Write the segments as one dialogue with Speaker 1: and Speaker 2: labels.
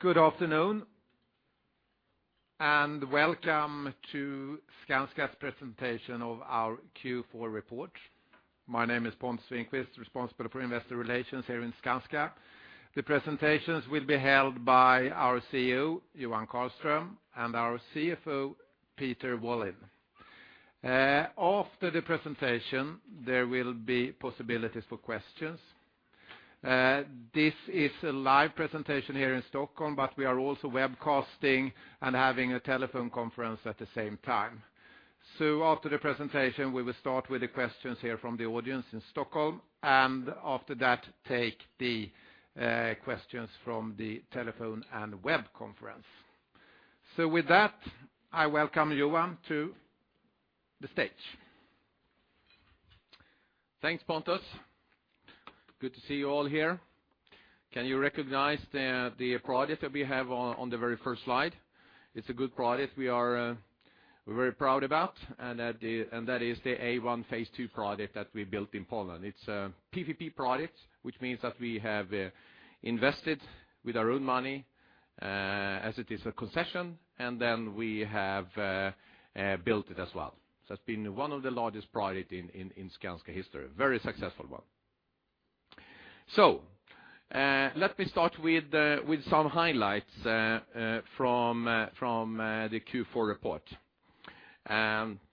Speaker 1: Good afternoon, and welcome to Skanska's presentation of our Q4 report. My name is Pontus Winqvist, responsible for investor relations here in Skanska. The presentations will be held by our CEO, Johan Karlström, and our CFO, Peter Wallin. After the presentation, there will be possibilities for questions. This is a live presentation here in Stockholm, but we are also webcasting and having a telephone conference at the same time. So after the presentation, we will start with the questions here from the audience in Stockholm, and after that, take the questions from the telephone and web conference. So with that, I welcome Johan to the stage.
Speaker 2: Thanks, Pontus. Good to see you all here. Can you recognize the project that we have on the very first slide? It's a good project we're very proud about, and that is the A1 phase II project that we built in Poland. It's a PPP project, which means that we have invested with our own money, as it is a concession, and then we have built it as well. So it's been one of the largest project in Skanska history, a very successful one. So let me start with some highlights from the Q4 report.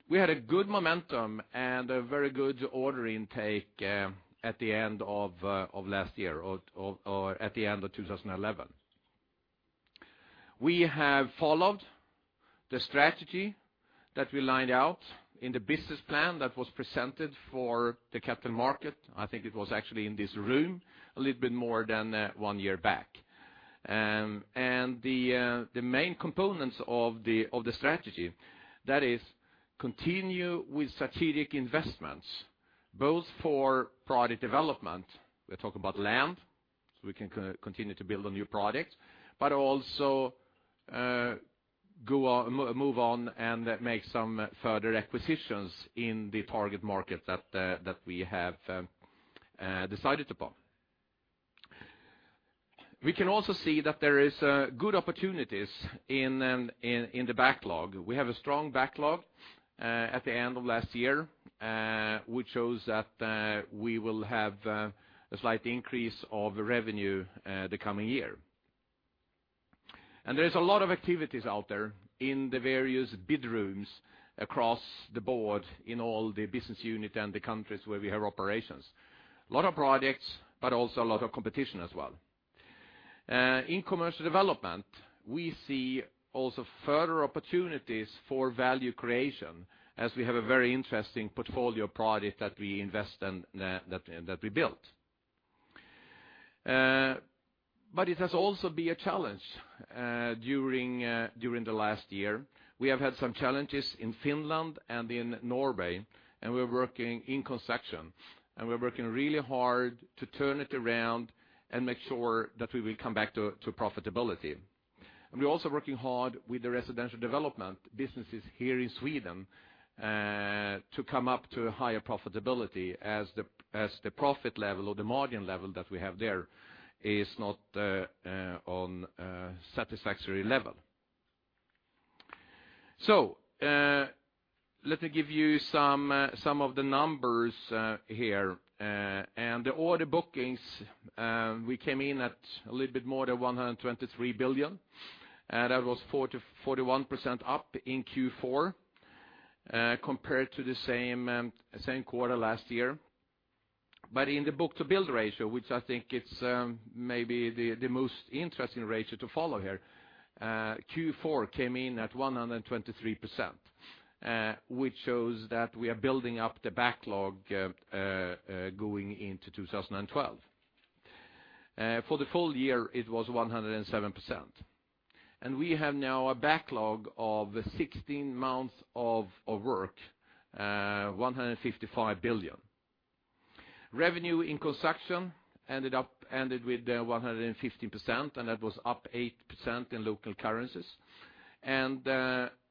Speaker 2: We had a good momentum and a very good order intake at the end of last year or at the end of 2011. We have followed the strategy that we lined out in the business plan that was presented for the capital market. I think it was actually in this room, a little bit more than one year back. The main components of the strategy, that is continue with strategic investments, both for product development, we talk about land, so we can continue to build on new products, but also, move on, and make some further acquisitions in the target market that we have decided upon. We can also see that there is good opportunities in the backlog. We have a strong backlog at the end of last year, which shows that we will have a slight increase of revenue the coming year. There's a lot of activities out there in the various bid rooms across the board in all the business unit and the countries where we have operations. A lot of projects, but also a lot of competition as well. In Commercial Development, we see also further opportunities for value creation, as we have a very interesting portfolio of project that we invest in, that, that we built. But it has also been a challenge during the last year. We have had some challenges in Finland and in Norway, and we're working in conception, and we're working really hard to turn it around and make sure that we will come back to, to profitability. We're also working hard with the residential development businesses here in Sweden, to come up to a higher profitability as the, as the profit level or the margin level that we have there is not, on a satisfactory level. So, let me give you some, some of the numbers, here. And the order bookings, we came in at a little bit more than 123 billion, and that was 41% up in Q4, compared to the same, same quarter last year. But in the book-to-bill ratio, which I think it's, maybe the, the most interesting ratio to follow here, Q4 came in at 123%, which shows that we are building up the backlog, going into 2012. For the full year, it was 107%. We have now a backlog of 16 months of work, 155 billion. Revenue in construction ended with 150%, and that was up 8% in local currencies.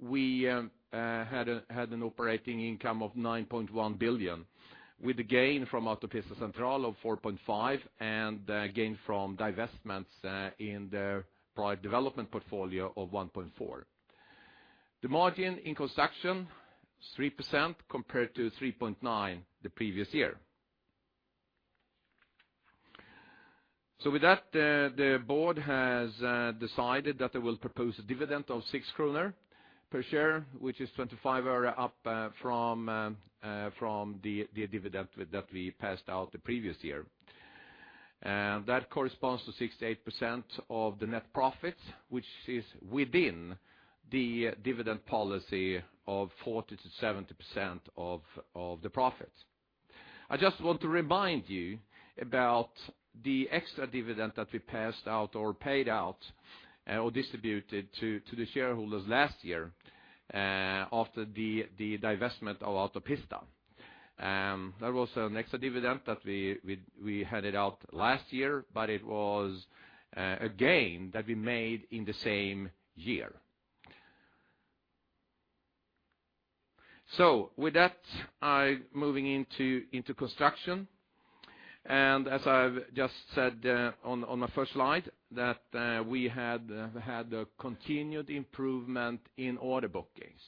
Speaker 2: We had an operating income of 9.1 billion, with a gain from Autopista Central of 4.5 billion, and a gain from divestments in the product development portfolio of 1.4 billion. The margin in construction, 3%, compared to 3.9% the previous year. With that, the board has decided that they will propose a dividend of 6 kronor per share, which is 25% up from the dividend that we passed out the previous year. That corresponds to 68% of the net profits, which is within the dividend policy of 40%-70% of the profits. I just want to remind you about the extra dividend that we passed out or paid out, or distributed to the shareholders last year, after the divestment of Autopista. There was an extra dividend that we handed out last year, but it was a gain that we made in the same year. So with that, I'm moving into construction. As I've just said, on my first slide, we had a continued improvement in order bookings.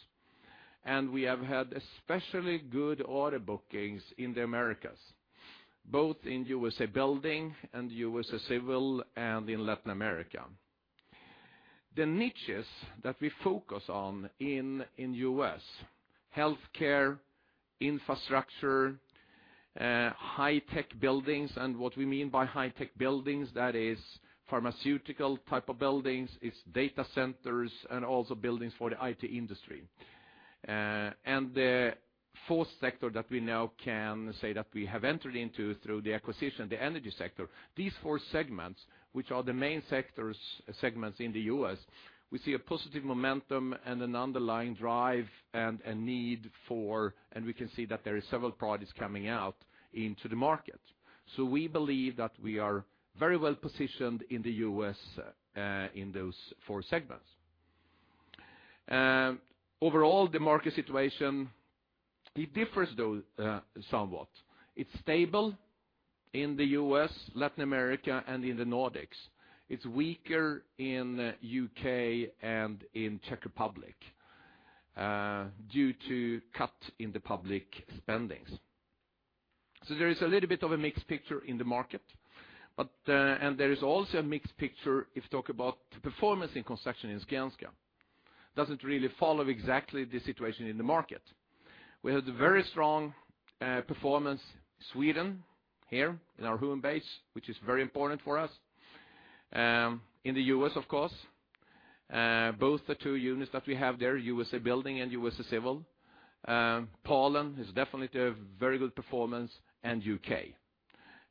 Speaker 2: We have had especially good order bookings in the Americas, both in USA Building and USA Civil, and in Latin America. The niches that we focus on in the U.S.: healthcare, infrastructure, high-tech buildings, and what we mean by high-tech buildings, that is pharmaceutical type of buildings, it's data centers, and also buildings for the IT industry. And the fourth sector that we now can say that we have entered into through the acquisition, the energy sector. These four segments, which are the main sectors, segments in the U.S., we see a positive momentum and an underlying drive and need for, and we can see that there is several projects coming out into the market. So we believe that we are very well positioned in the U.S., in those four segments. Overall, the market situation, it differs, though, somewhat. It's stable in the U.S., Latin America, and in the Nordics. It's weaker in U.K. and in Czech Republic due to cut in the public spendings. So there is a little bit of a mixed picture in the market, but. There is also a mixed picture if you talk about the performance in construction in Skanska. Doesn't really follow exactly the situation in the market. We had a very strong performance Sweden, here in our home base, which is very important for us. In the U.S., of course, both the two units that we have there, USA Building and USA Civil. Poland is definitely a very good performance, and U.K.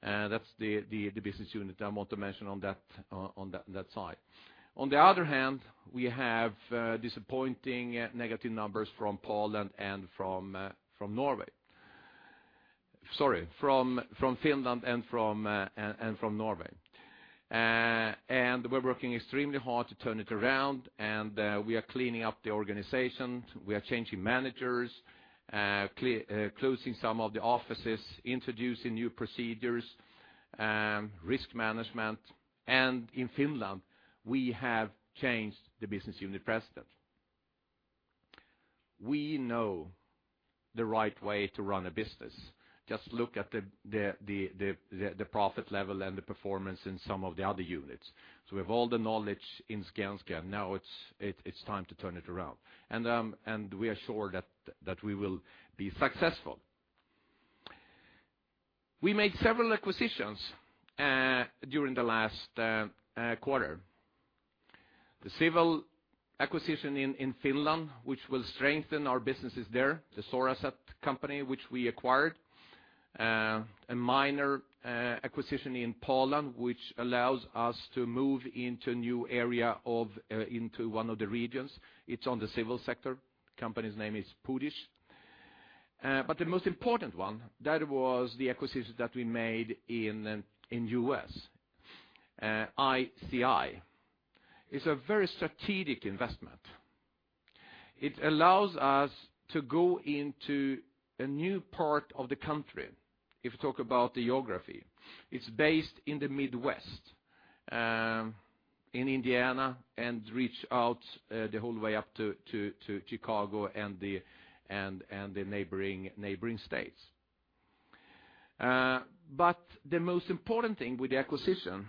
Speaker 2: That's the business unit I want to mention on that side. On the other hand, we have disappointing negative numbers from Poland and from Norway. Sorry, from Finland and from Norway. And we're working extremely hard to turn it around, and we are cleaning up the organization. We are changing managers, closing some of the offices, introducing new procedures, risk management. And in Finland, we have changed the business unit president. We know the right way to run a business. Just look at the profit level and the performance in some of the other units. So we have all the knowledge in Skanska. Now, it's time to turn it around. And we are sure that we will be successful. We made several acquisitions during the last quarter. The civil acquisition in Finland, which will strengthen our businesses there, the Soraset company, which we acquired. A minor acquisition in Poland, which allows us to move into a new area of, into one of the regions. It's on the civil sector. Company's name is PUDiZ. But the most important one, that was the acquisition that we made in, in the U.S., ICI. It's a very strategic investment. It allows us to go into a new part of the country, if you talk about the geography. It's based in the Midwest, in Indiana, and reach out the whole way up to Chicago and the neighboring states. But the most important thing with the acquisition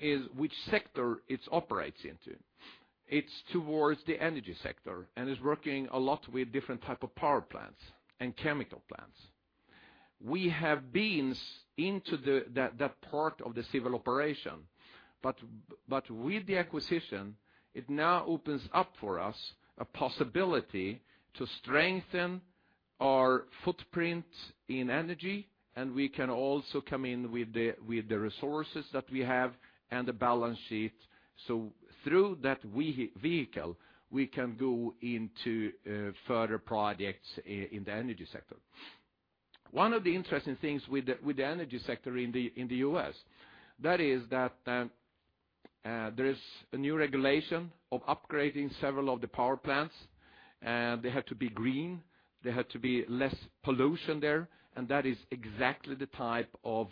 Speaker 2: is which sector it operates into. It's towards the energy sector, and it's working a lot with different type of power plants and chemical plants. We have been into that part of the civil operation, but with the acquisition, it now opens up for us a possibility to strengthen our footprint in energy, and we can also come in with the resources that we have and the balance sheet. So through that vehicle, we can go into further projects in the energy sector. One of the interesting things with the energy sector in the U.S. is that there is a new regulation of upgrading several of the power plants, and they have to be green, they have to be less pollution there, and that is exactly the type of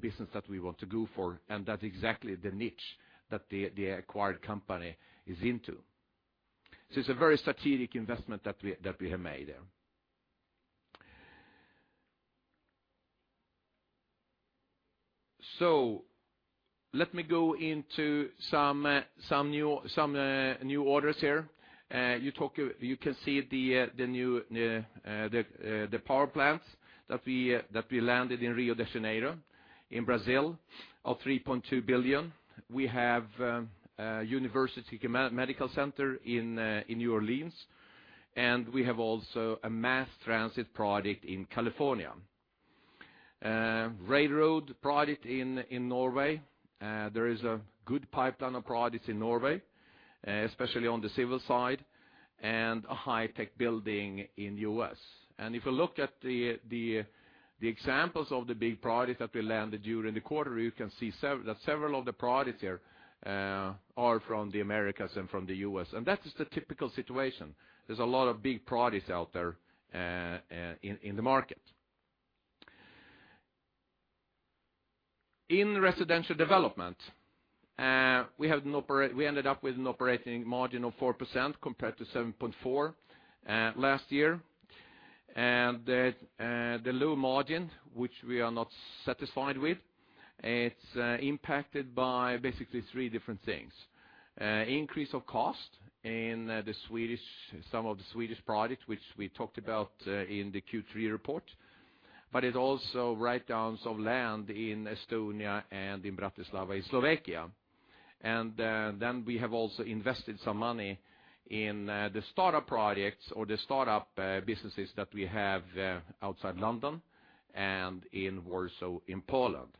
Speaker 2: business that we want to go for, and that's exactly the niche that the acquired company is into. So it's a very strategic investment that we have made there. So let me go into some new orders here. You can see the new power plants that we landed in Rio de Janeiro, in Brazil, of 3.2 billion. We have a university medical center in New Orleans, and we have also a mass transit project in California. Railroad project in Norway. There is a good pipeline of projects in Norway, especially on the civil side, and a high-tech building in U.S. If you look at the examples of the big projects that we landed during the quarter, you can see that several of the projects here are from the Americas and from the U.S., and that is the typical situation. There's a lot of big projects out there in the market. In residential development, we ended up with an operating margin of 4% compared to 7.4% last year. And the low margin, which we are not satisfied with, it's impacted by basically three different things. Increase of cost in some of the Swedish projects, which we talked about in the Q3 report. But it also write-downs of land in Estonia and in Bratislava, in Slovakia. And then we have also invested some money in the startup projects or the startup businesses that we have outside London and in Warsaw, in Poland.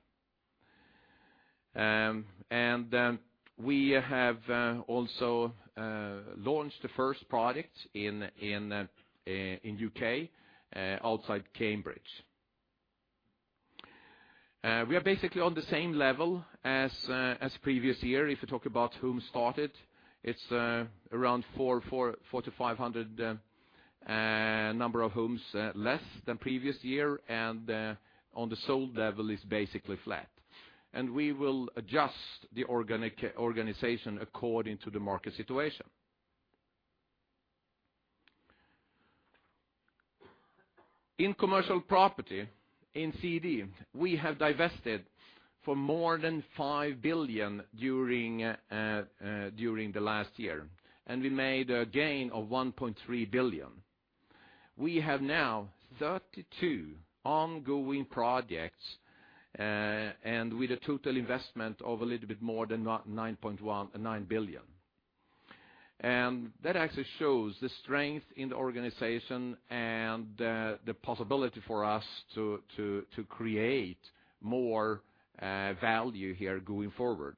Speaker 2: And we have also launched the first project in U.K. outside Cambridge. We are basically on the same level as previous year. If you talk about homes started, it's around 400-500 number of homes, less than previous year, and on the sold level, it's basically flat. And we will adjust the organization according to the market situation. In commercial property, in CD, we have divested for more than 5 billion during the last year, and we made a gain of 1.3 billion. We have now 32 ongoing projects, and with a total investment of a little bit more than 9.19 billion. That actually shows the strength in the organization and the possibility for us to create more value here going forward.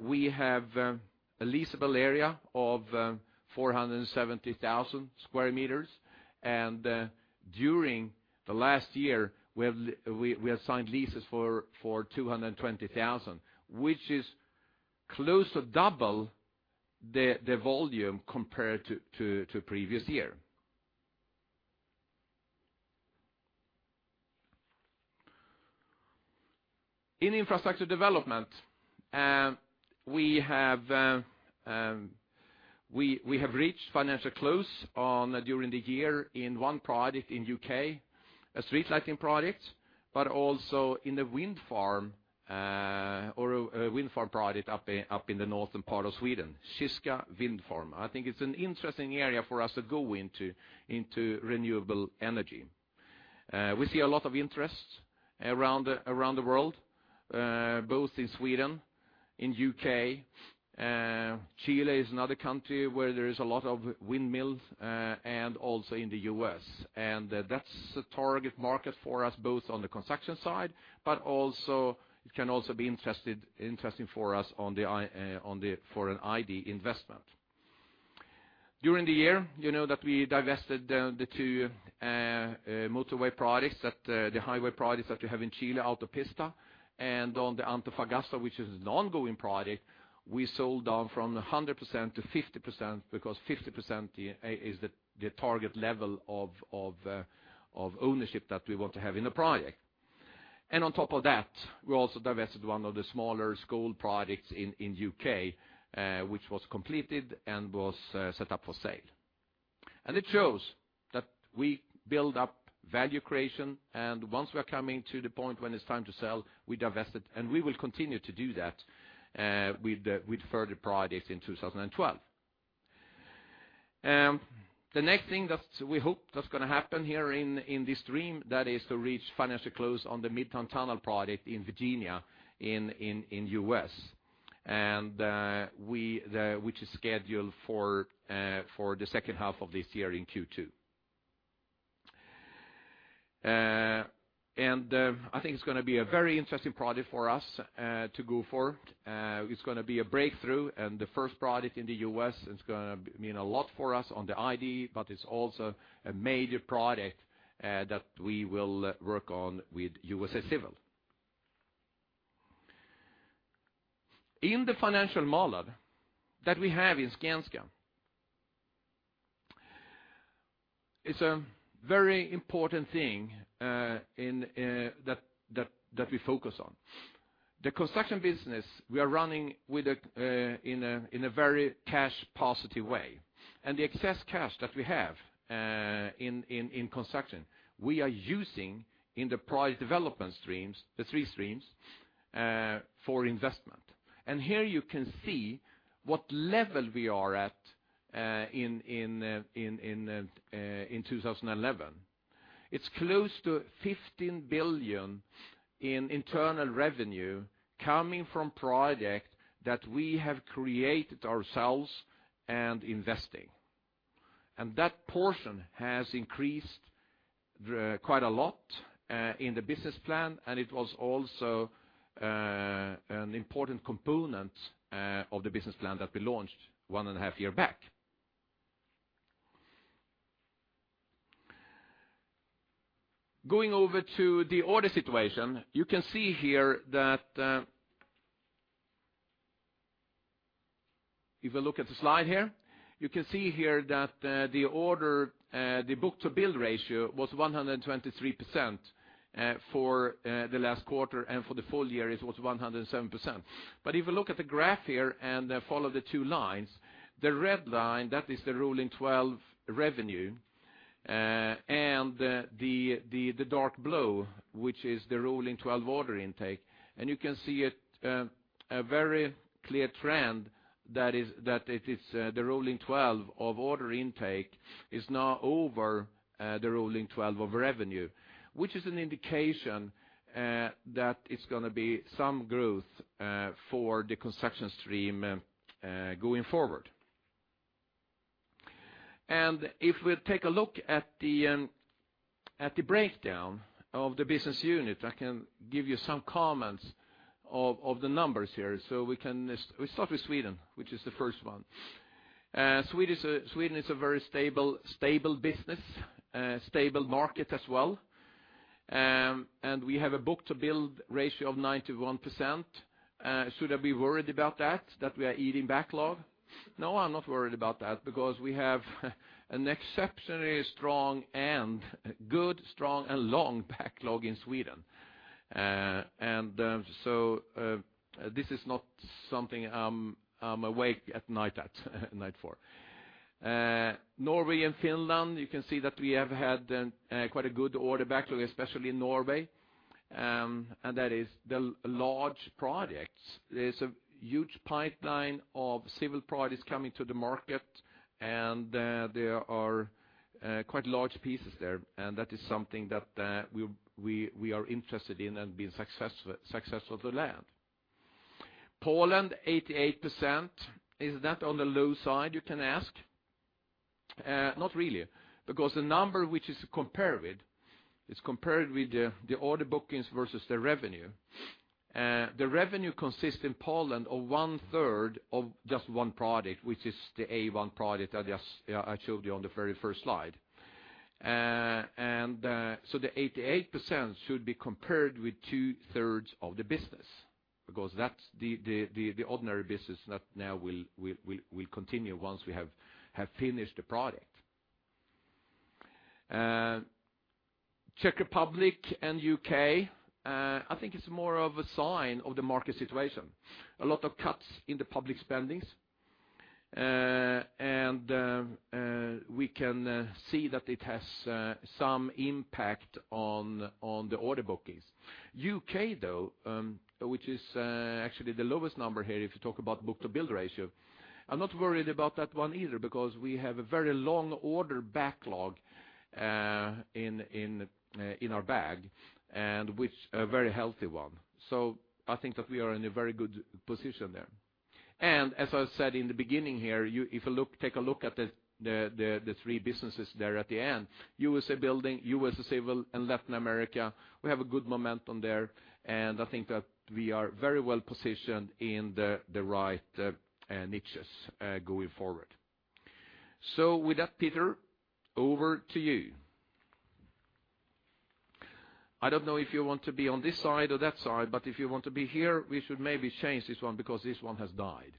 Speaker 2: We have a leasable area of 470,000 square meters, and during the last year, we have signed leases for 220,000, which is close to double the volume compared to previous year. In infrastructure development, we have reached financial close during the year on one project in the U.K., a street lighting project, but also in a wind farm or a wind farm project up in the northern part of Sweden, Sjisjka Wind Farm. I think it's an interesting area for us to go into renewable energy. We see a lot of interest around the world, both in Sweden, in the U.K., Chile is another country where there is a lot of windmills, and also in the U.S. And that's a target market for us, both on the construction side, but also it can be interesting for us on the for an ID investment. During the year, you know that we divested the two motorway projects that the highway projects that we have in Chile, Autopista, and the Antofagasta, which is an ongoing project, we sold down from 100% to 50%, because 50% is the target level of ownership that we want to have in the project. And on top of that, we also divested one of the smaller school projects in the U.K., which was completed and was set up for sale. And it shows that we build up value creation, and once we are coming to the point when it's time to sell, we divest it, and we will continue to do that with further projects in 2012. The next thing that we hope that's going to happen here in this stream, that is to reach financial close on the Midtown Tunnel project in Virginia, in the U.S. Which is scheduled for the second half of this year in Q2. I think it's going to be a very interesting project for us to go for. It's going to be a breakthrough, and the first project in the U.S., it's going to mean a lot for us on the ID, but it's also a major project that we will work on with USA Civil. In the financial model that we have in Skanska, it's a very important thing that we focus on. The construction business, we are running in a very cash positive way. The excess cash that we have in construction, we are using in the project development streams, the three streams, for investment. Here you can see what level we are at in 2011. It's close to 15 billion in internal revenue coming from project that we have created ourselves and investing. That portion has increased quite a lot in the business plan, and it was also an important component of the business plan that we launched one and a half year back. Going over to the order situation, you can see here that, if you look at the slide here, you can see here that, the order, the book-to-bill ratio was 123%, for, the last quarter, and for the full year, it was 107%. But if you look at the graph here and, follow the two lines, the red line, that is the rolling 12 revenue, and the, the, the dark blue, which is the rolling 12 order intake. And you can see it, a very clear trend that is, that it is, the rolling 12 of order intake is now over, the rolling 12 of revenue, which is an indication, that it's gonna be some growth, for the construction stream, going forward. If we take a look at the breakdown of the business unit, I can give you some comments of the numbers here. So we start with Sweden, which is the first one. Sweden is a very stable, stable business, stable market as well. And we have a book-to-bill ratio of 91%. Should I be worried about that, that we are eating backlog? No, I'm not worried about that because we have an exceptionally strong and good, strong, and long backlog in Sweden. And, so, this is not something I'm awake at night for. Norway and Finland, you can see that we have had quite a good order backlog, especially in Norway, and that is the large projects. There's a huge pipeline of civil projects coming to the market, and there are quite large pieces there, and that is something that we are interested in and been successful to land. Poland, 88%. Is that on the low side, you can ask? Not really, because the number which is compared with is compared with the order bookings versus the revenue. The revenue consists in Poland of one third of just one project, which is the A1 project I just showed you on the very first slide. And so the 88% should be compared with 2/3 of the business, because that's the ordinary business that now will continue once we have finished the project. Czech Republic and U.K., I think it's more of a sign of the market situation. A lot of cuts in the public spendings, and we can see that it has some impact on the order bookings. U.K., though, which is actually the lowest number here, if you talk about book-to-bill ratio, I'm not worried about that one either, because we have a very long order backlog in our bag, and which a very healthy one. So I think that we are in a very good position there. As I said in the beginning here, you, if you look, take a look at the three businesses there at the end, USA Building, USA Civil, and Latin America, we have a good momentum there, and I think that we are very well positioned in the right niches going forward. So with that, Peter, over to you. I don't know if you want to be on this side or that side, but if you want to be here, we should maybe change this one, because this one has died.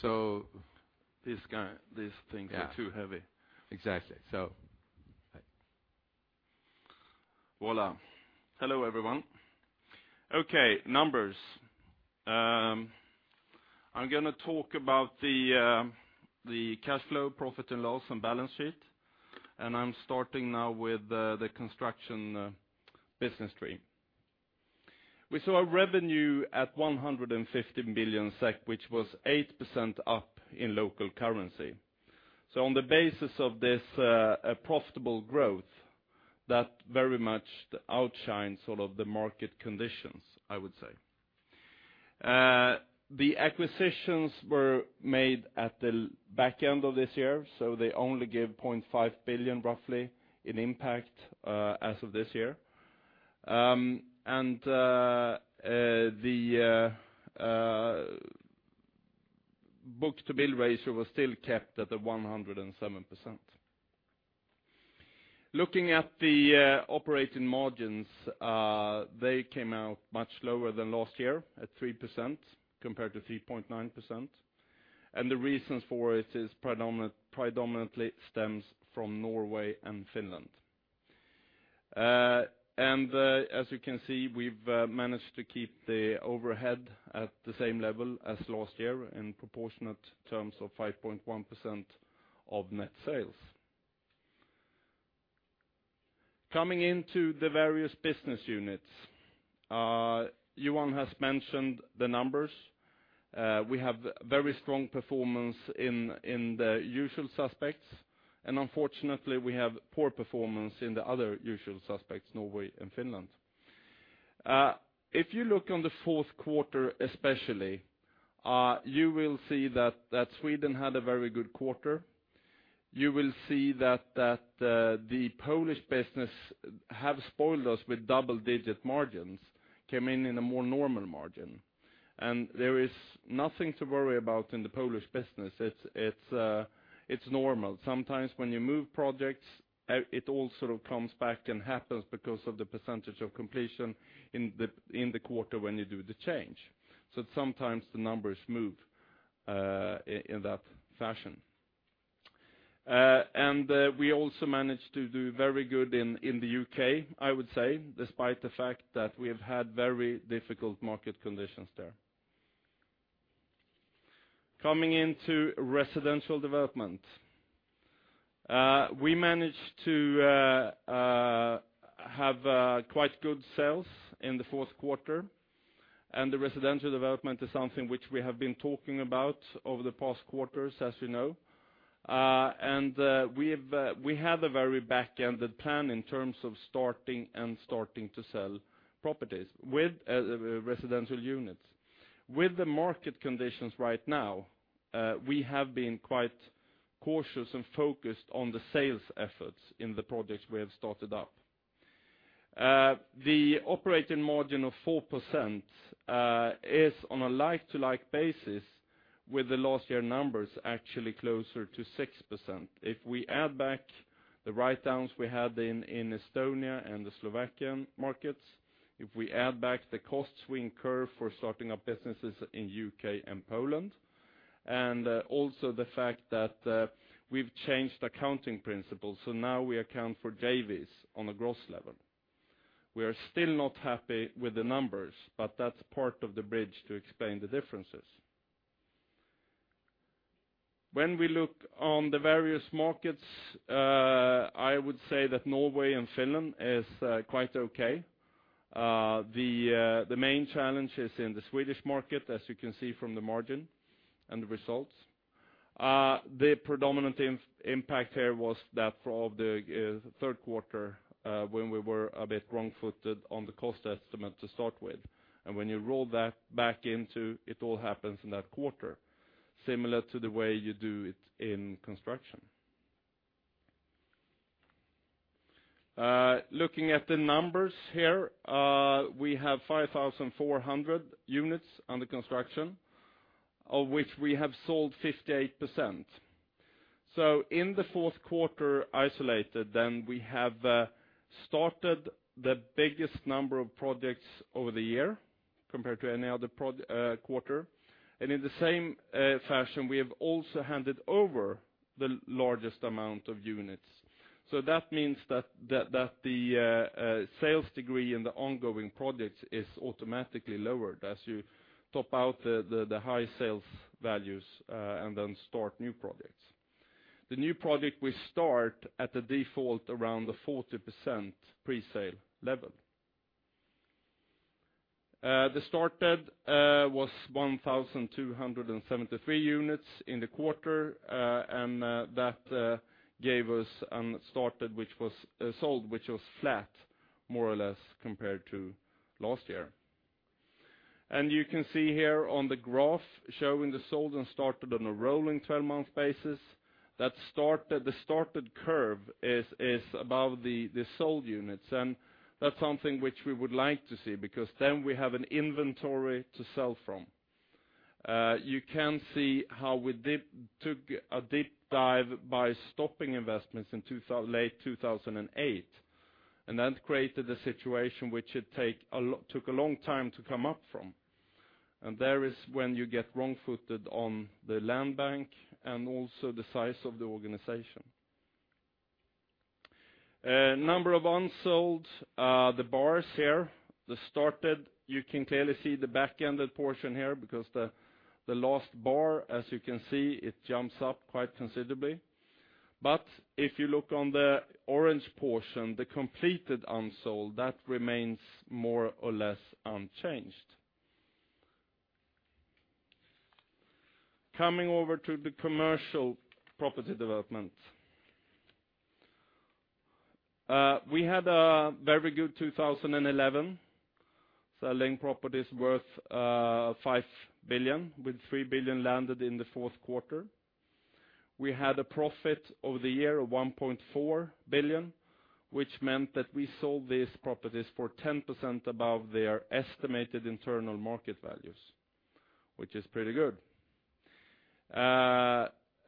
Speaker 2: So-
Speaker 3: These guy, these things are too heavy.
Speaker 2: Exactly. So...
Speaker 3: Hello, everyone. Okay, numbers. I'm gonna talk about the cash flow, profit and loss, and balance sheet, and I'm starting now with the construction business stream. We saw a revenue at 150 billion SEK, which was 8% up in local currency. So on the basis of this, a profitable growth, that very much outshines sort of the market conditions, I would say. The acquisitions were made at the back end of this year, so they only gave 0.5 billion, roughly, in impact as of this year. And the book-to-bill ratio was still kept at 107%. Looking at the operating margins, they came out much lower than last year, at 3%, compared to 3.9%. The reasons for it predominantly stems from Norway and Finland. As you can see, we've managed to keep the overhead at the same level as last year in proportionate terms of 5.1% of net sales. Coming into the various business units, Johan has mentioned the numbers. We have very strong performance in the usual suspects, and unfortunately, we have poor performance in the other usual suspects, Norway and Finland. If you look on the fourth quarter, especially, you will see that Sweden had a very good quarter. You will see that the Polish business have spoiled us with double-digit margins, came in a more normal margin. And there is nothing to worry about in the Polish business. It's normal. Sometimes when you move projects, it all sort of comes back and happens because of the percentage of completion in the quarter when you do the change. So sometimes the numbers move in that fashion. And we also managed to do very good in the U.K., I would say, despite the fact that we have had very difficult market conditions there. Coming into residential development, we managed to have quite good sales in the fourth quarter, and the residential development is something which we have been talking about over the past quarters, as you know. And we've had a very back-ended plan in terms of starting to sell properties with residential units. With the market conditions right now, we have been quite cautious and focused on the sales efforts in the projects we have started up. The operating margin of 4% is on a like-to-like basis with the last year numbers, actually closer to 6%. If we add back the write-downs we had in Estonia and the Slovakian markets, if we add back the costs we incur for starting up businesses in U.K. and Poland, and also the fact that we've changed accounting principles, so now we account for JVs on a gross level. We are still not happy with the numbers, but that's part of the bridge to explain the differences. When we look on the various markets, I would say that Norway and Finland is quite okay. The main challenge is in the Swedish market, as you can see from the margin and the results. The predominant impact here was that for all of the third quarter, when we were a bit wrong-footed on the cost estimate to start with, and when you roll that back into, it all happens in that quarter, similar to the way you do it in construction. Looking at the numbers here, we have 5,400 units under construction, of which we have sold 58%. So in the fourth quarter, isolated, then we have started the biggest number of projects over the year compared to any other quarter. And in the same fashion, we have also handed over the largest amount of units. So that means that the sales degree in the ongoing projects is automatically lowered as you top out the high sales values and then start new projects. The new project we start at a default around the 40% presale level. The started was 1,273 units in the quarter and that gave us started, which was sold, which was flat, more or less, compared to last year. And you can see here on the graph showing the sold and started on a rolling 12-month basis, that started, the started curve is above the sold units, and that's something which we would like to see, because then we have an inventory to sell from. You can see how we took a deep dive by stopping investments in late 2008, and that created a situation which took a long time to come up from. And there is when you get wrong-footed on the land bank and also the size of the organization. Number of unsold, the bars here, the started, you can clearly see the back-ended portion here, because the last bar, as you can see, it jumps up quite considerably. But if you look on the orange portion, the completed unsold, that remains more or less unchanged. Coming over to the commercial property development. We had a very good 2011, selling properties worth 5 billion, with 3 billion landed in the fourth quarter. We had a profit over the year of 1.4 billion, which meant that we sold these properties for 10% above their estimated internal market values, which is pretty good.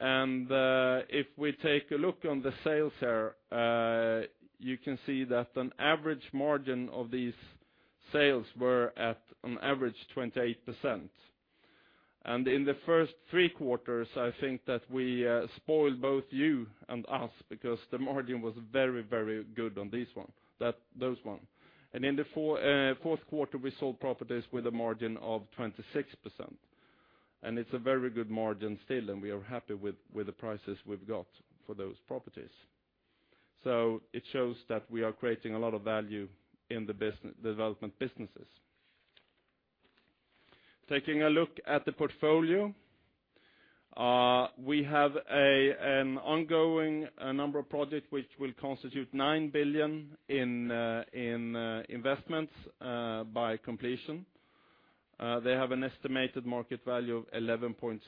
Speaker 3: If we take a look on the sales here, you can see that an average margin of these sales were at an average 28%. And in the first three quarters, I think that we spoiled both you and us, because the margin was very, very good on this one, that, those one. And in the fourth quarter, we sold properties with a margin of 26%. And it's a very good margin still, and we are happy with the prices we've got for those properties. So it shows that we are creating a lot of value in the business development businesses. Taking a look at the portfolio, we have a number of ongoing projects which will constitute 9 billion in investments by completion. They have an estimated market value of 11.6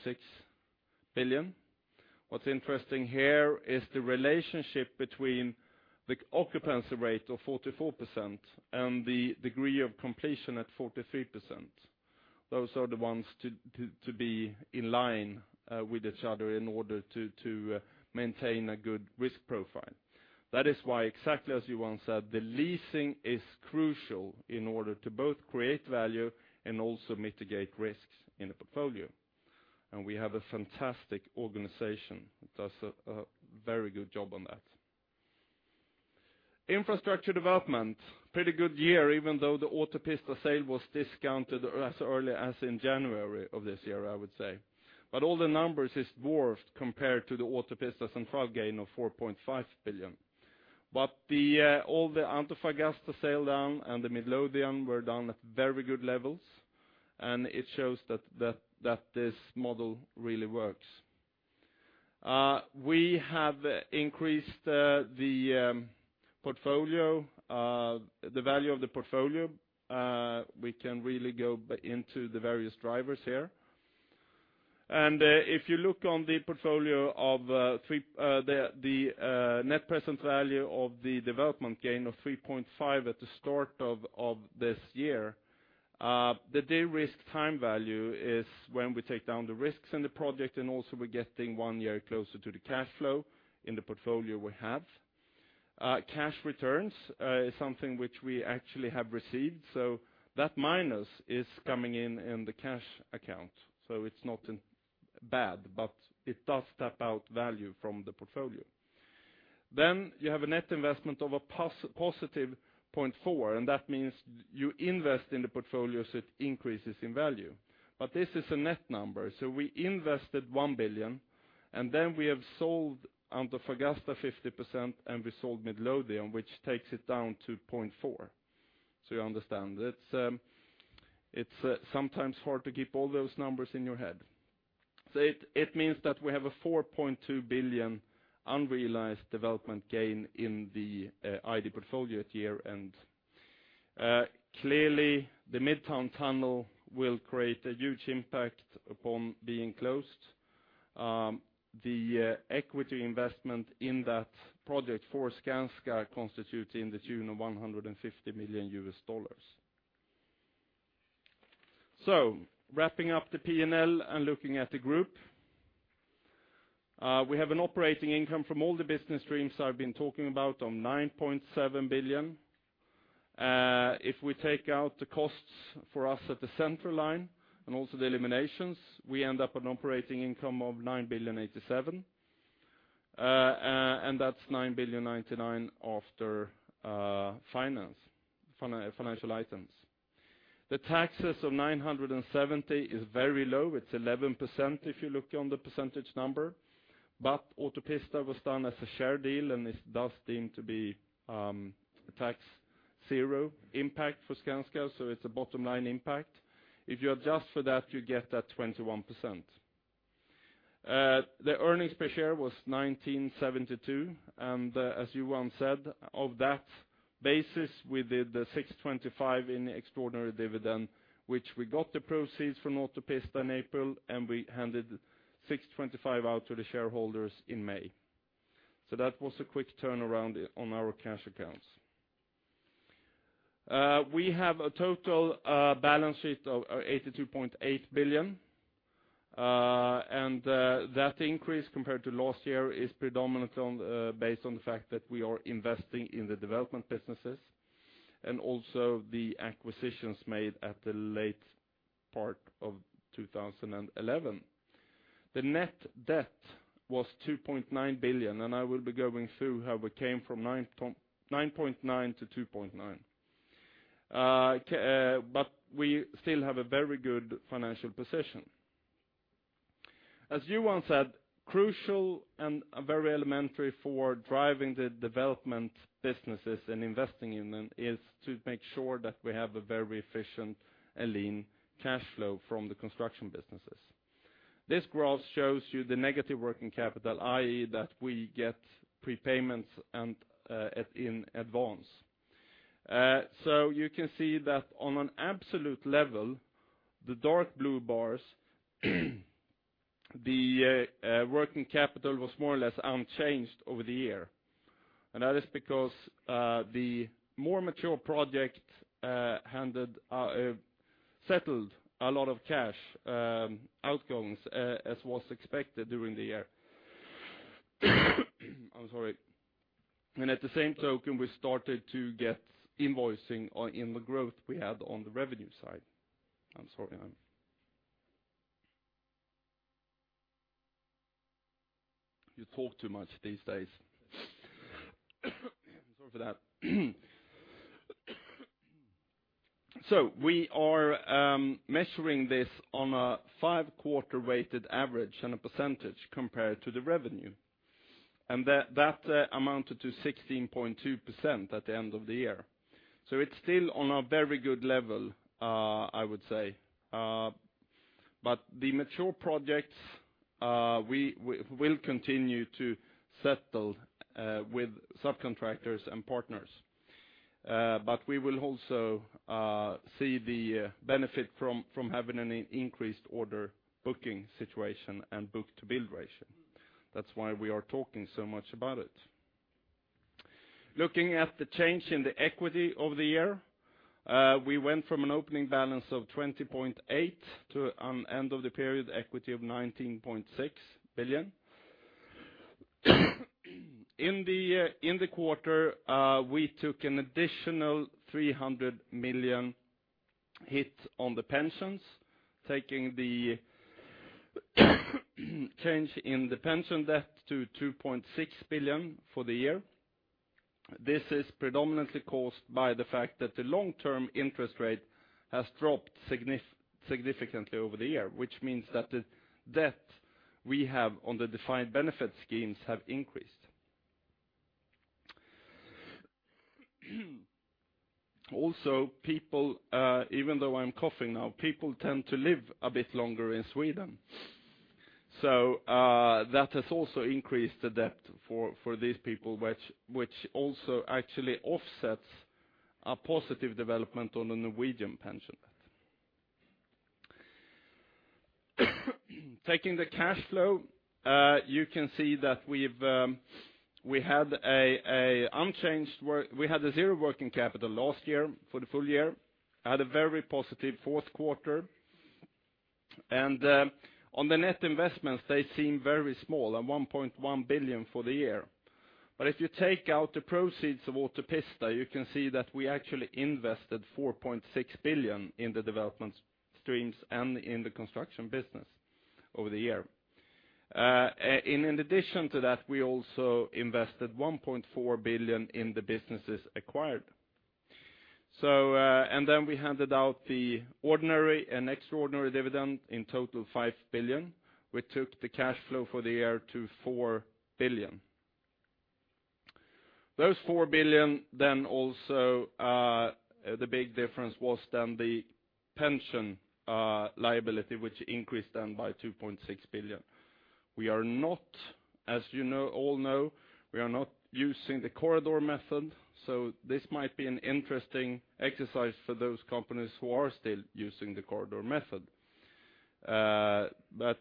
Speaker 3: billion. What's interesting here is the relationship between the occupancy rate of 44% and the degree of completion at 43%. Those are the ones to be in line with each other in order to maintain a good risk profile. That is why, exactly as you once said, the leasing is crucial in order to both create value and also mitigate risks in the portfolio. And we have a fantastic organization that does a very good job on that. Infrastructure development, pretty good year, even though the Autopista sale was discounted as early as in January of this year, I would say. All the numbers are dwarfed compared to the Autopista Central gain of 4.5 billion. The Antofagasta sale down and the Midlothian were down at very good levels, and it shows that this model really works. We have increased the portfolio, the value of the portfolio. We can really go into the various drivers here. If you look on the portfolio of three, the net present value of the development gain of 3.5 billion at the start of this year, the de-risk time value is when we take down the risks in the project, and also we're getting one year closer to the cash flow in the portfolio we have. Cash returns is something which we actually have received, so that minus is coming in, in the cash account. So it's not that bad, but it does tap out value from the portfolio. Then you have a net investment of a positive 0.4, and that means you invest in the portfolio, so it increases in value. But this is a net number, so we invested 1 billion, and then we have sold Antofagasta 50%, and we sold Midlothian, which takes it down to 0.4. So you understand, it's sometimes hard to keep all those numbers in your head. So it means that we have a 4.2 billion unrealized development gain in the ID portfolio at year-end. Clearly, the Midtown Tunnel will create a huge impact upon being closed. The equity investment in that project for Skanska constitutes in the tune of $150 million. So wrapping up the P&L and looking at the group, we have an operating income from all the business streams I've been talking about of 9.7 billion. If we take out the costs for us at the center line and also the eliminations, we end up an operating income of 9.087 billion. And that's 9.099 billion after financial items. The taxes of 970 million is very low. It's 11% if you look on the percentage number. But Autopista was done as a share deal, and this does seem to be a tax zero impact for Skanska, so it's a bottom-line impact. If you adjust for that, you get that 21%. The earnings per share was 19.72, and as you once said, of that basis, we did the 6.25 in extraordinary dividend, which we got the proceeds from Autopista in April, and we handed 6.25 out to the shareholders in May. So that was a quick turnaround on our cash accounts. We have a total balance sheet of 82.8 billion. And that increase compared to last year is predominantly on based on the fact that we are investing in the development businesses, and also the acquisitions made at the late part of 2011. The net debt was 2.9 billion, and I will be going through how we came from 9.9 to 2.9. But we still have a very good financial position. As you once said, crucial and very elementary for driving the development businesses and investing in them is to make sure that we have a very efficient and lean cash flow from the construction businesses. This graph shows you the negative working capital, i.e., that we get prepayments and in advance. So you can see that on an absolute level, the dark blue bars, the working capital was more or less unchanged over the year. And that is because, the more mature project handed settled a lot of cash outcomes as was expected during the year. I'm sorry. And at the same token, we started to get invoicing on the growth we had on the revenue side. I'm sorry, I'm...
Speaker 2: You talk too much these days.
Speaker 3: Sorry for that. So we are measuring this on a five-quarter weighted average and a % compared to the revenue, and that amounted to 16.2% at the end of the year. So it's still on a very good level, I would say. But the mature projects, we will continue to settle with subcontractors and partners. But we will also see the benefit from having an increased order booking situation and book-to-bill ratio. That's why we are talking so much about it. Looking at the change in the equity over the year, we went from an opening balance of 20.8 billion to an end of the period equity of 19.6 billion. In the quarter, we took an additional 300 million hit on the pensions, taking the change in the pension debt to 2.6 billion for the year. This is predominantly caused by the fact that the long-term interest rate has dropped significantly over the year, which means that the debt we have on the defined benefit schemes have increased. Also, people, even though I'm coughing now, people tend to live a bit longer in Sweden. So, that has also increased the debt for these people, which also actually offsets a positive development on the Norwegian pension. Taking the cash flow, you can see that we had a zero working capital last year for the full year, had a very positive fourth quarter. On the net investments, they seem very small, at 1.1 billion for the year. But if you take out the proceeds of Autopista, you can see that we actually invested 4.6 billion in the development streams and in the construction business over the year. And in addition to that, we also invested 1.4 billion in the businesses acquired. So, and then we handed out the ordinary and extraordinary dividend, in total, 5 billion. We took the cash flow for the year to 4 billion. Those 4 billion then also, the big difference was then the pension liability, which increased then by 2.6 billion. We are not, as you know, all know, we are not using the corridor method, so this might be an interesting exercise for those companies who are still using the corridor method. But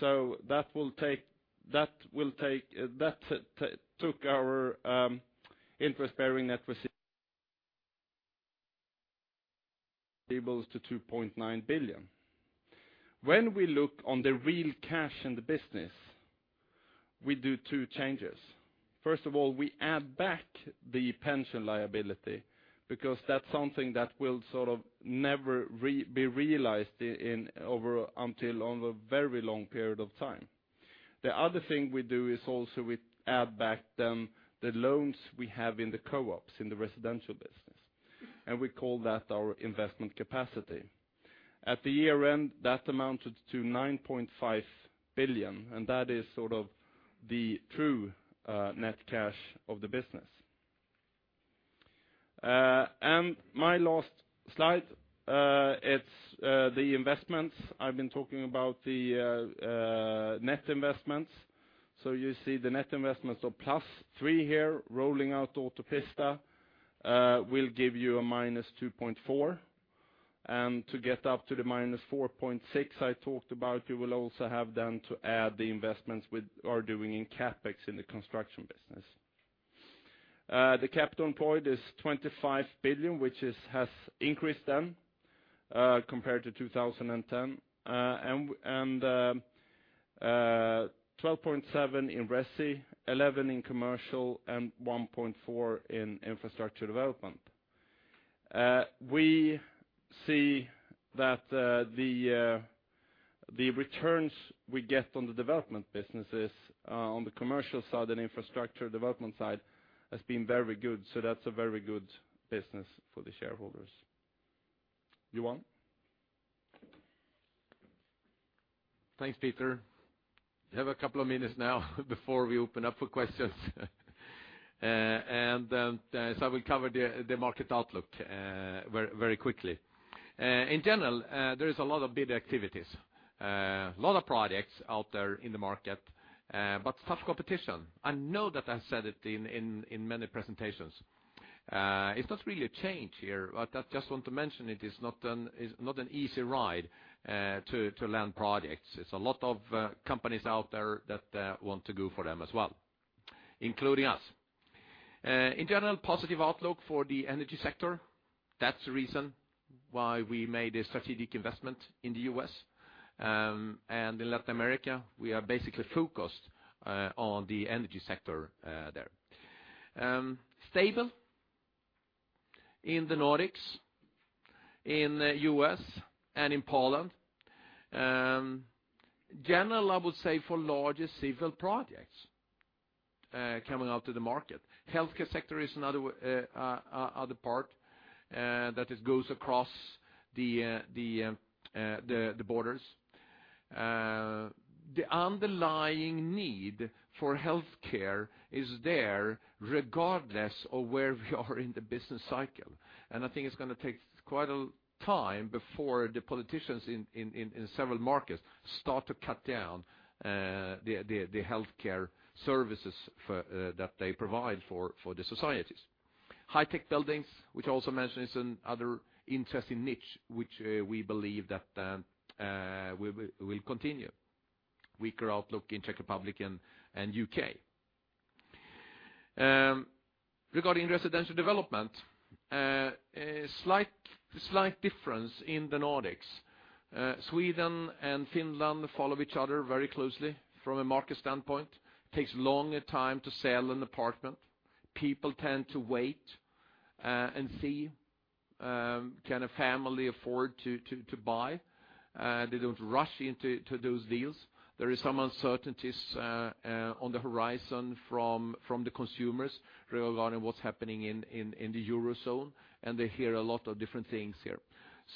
Speaker 3: so that will take, that will take, took our interest-bearing net debt to 2.9 billion. When we look at the real cash in the business, we do two changes. First of all, we add back the pension liability, because that's something that will sort of never be realized over a very long period of time. The other thing we do is also we add back then the loans we have in the co-ops, in the residential business, and we call that our investment capacity. At the year end, that amounted to 9.5 billion, and that is sort of the true net cash of the business. And my last slide, it's the investments. I've been talking about the net investments. So you see the net investments of +3 billion here. Rolling out Autopista will give you a -2.4 billion. And to get up to the -4.6 billion I talked about, you will also have then to add the investments we are doing in CapEx in the construction business. The capital employed is 25 billion, which has increased then compared to 2010. And 12.7 billion in resi, 11 billion in commercial, and 1.4 billion in infrastructure development. We see that the returns we get on the development businesses on the commercial side and infrastructure development side has been very good. So that's a very good business for the shareholders. Johan?
Speaker 2: Thanks, Peter. We have a couple of minutes now before we open up for questions. So I will cover the market outlook very, very quickly. In general, there is a lot of bid activities, a lot of projects out there in the market, but tough competition. I know that I said it in many presentations. It's not really a change here, but I just want to mention it's not an easy ride to land projects. It's a lot of companies out there that want to go for them as well, including us. In general, positive outlook for the energy sector. That's the reason why we made a strategic investment in the U.S., and in Latin America, we are basically focused on the energy sector there. Stable in the Nordics, in the U.S., and in Poland. In general, I would say for larger civil projects coming out to the market. Healthcare sector is another other part that it goes across the borders. The underlying need for healthcare is there regardless of where we are in the business cycle. And I think it's gonna take quite a time before the politicians in several markets start to cut down the healthcare services for that they provide for the societies. High-tech buildings, which also mentioned, is an other interesting niche, which we believe that we will continue. Weaker outlook in Czech Republic and U.K. Regarding residential development, a slight difference in the Nordics. Sweden and Finland follow each other very closely from a market standpoint. It takes longer time to sell an apartment. People tend to wait and see, can a family afford to buy? They don't rush into those deals. There is some uncertainties on the horizon from the consumers regarding what's happening in the Eurozone, and they hear a lot of different things here.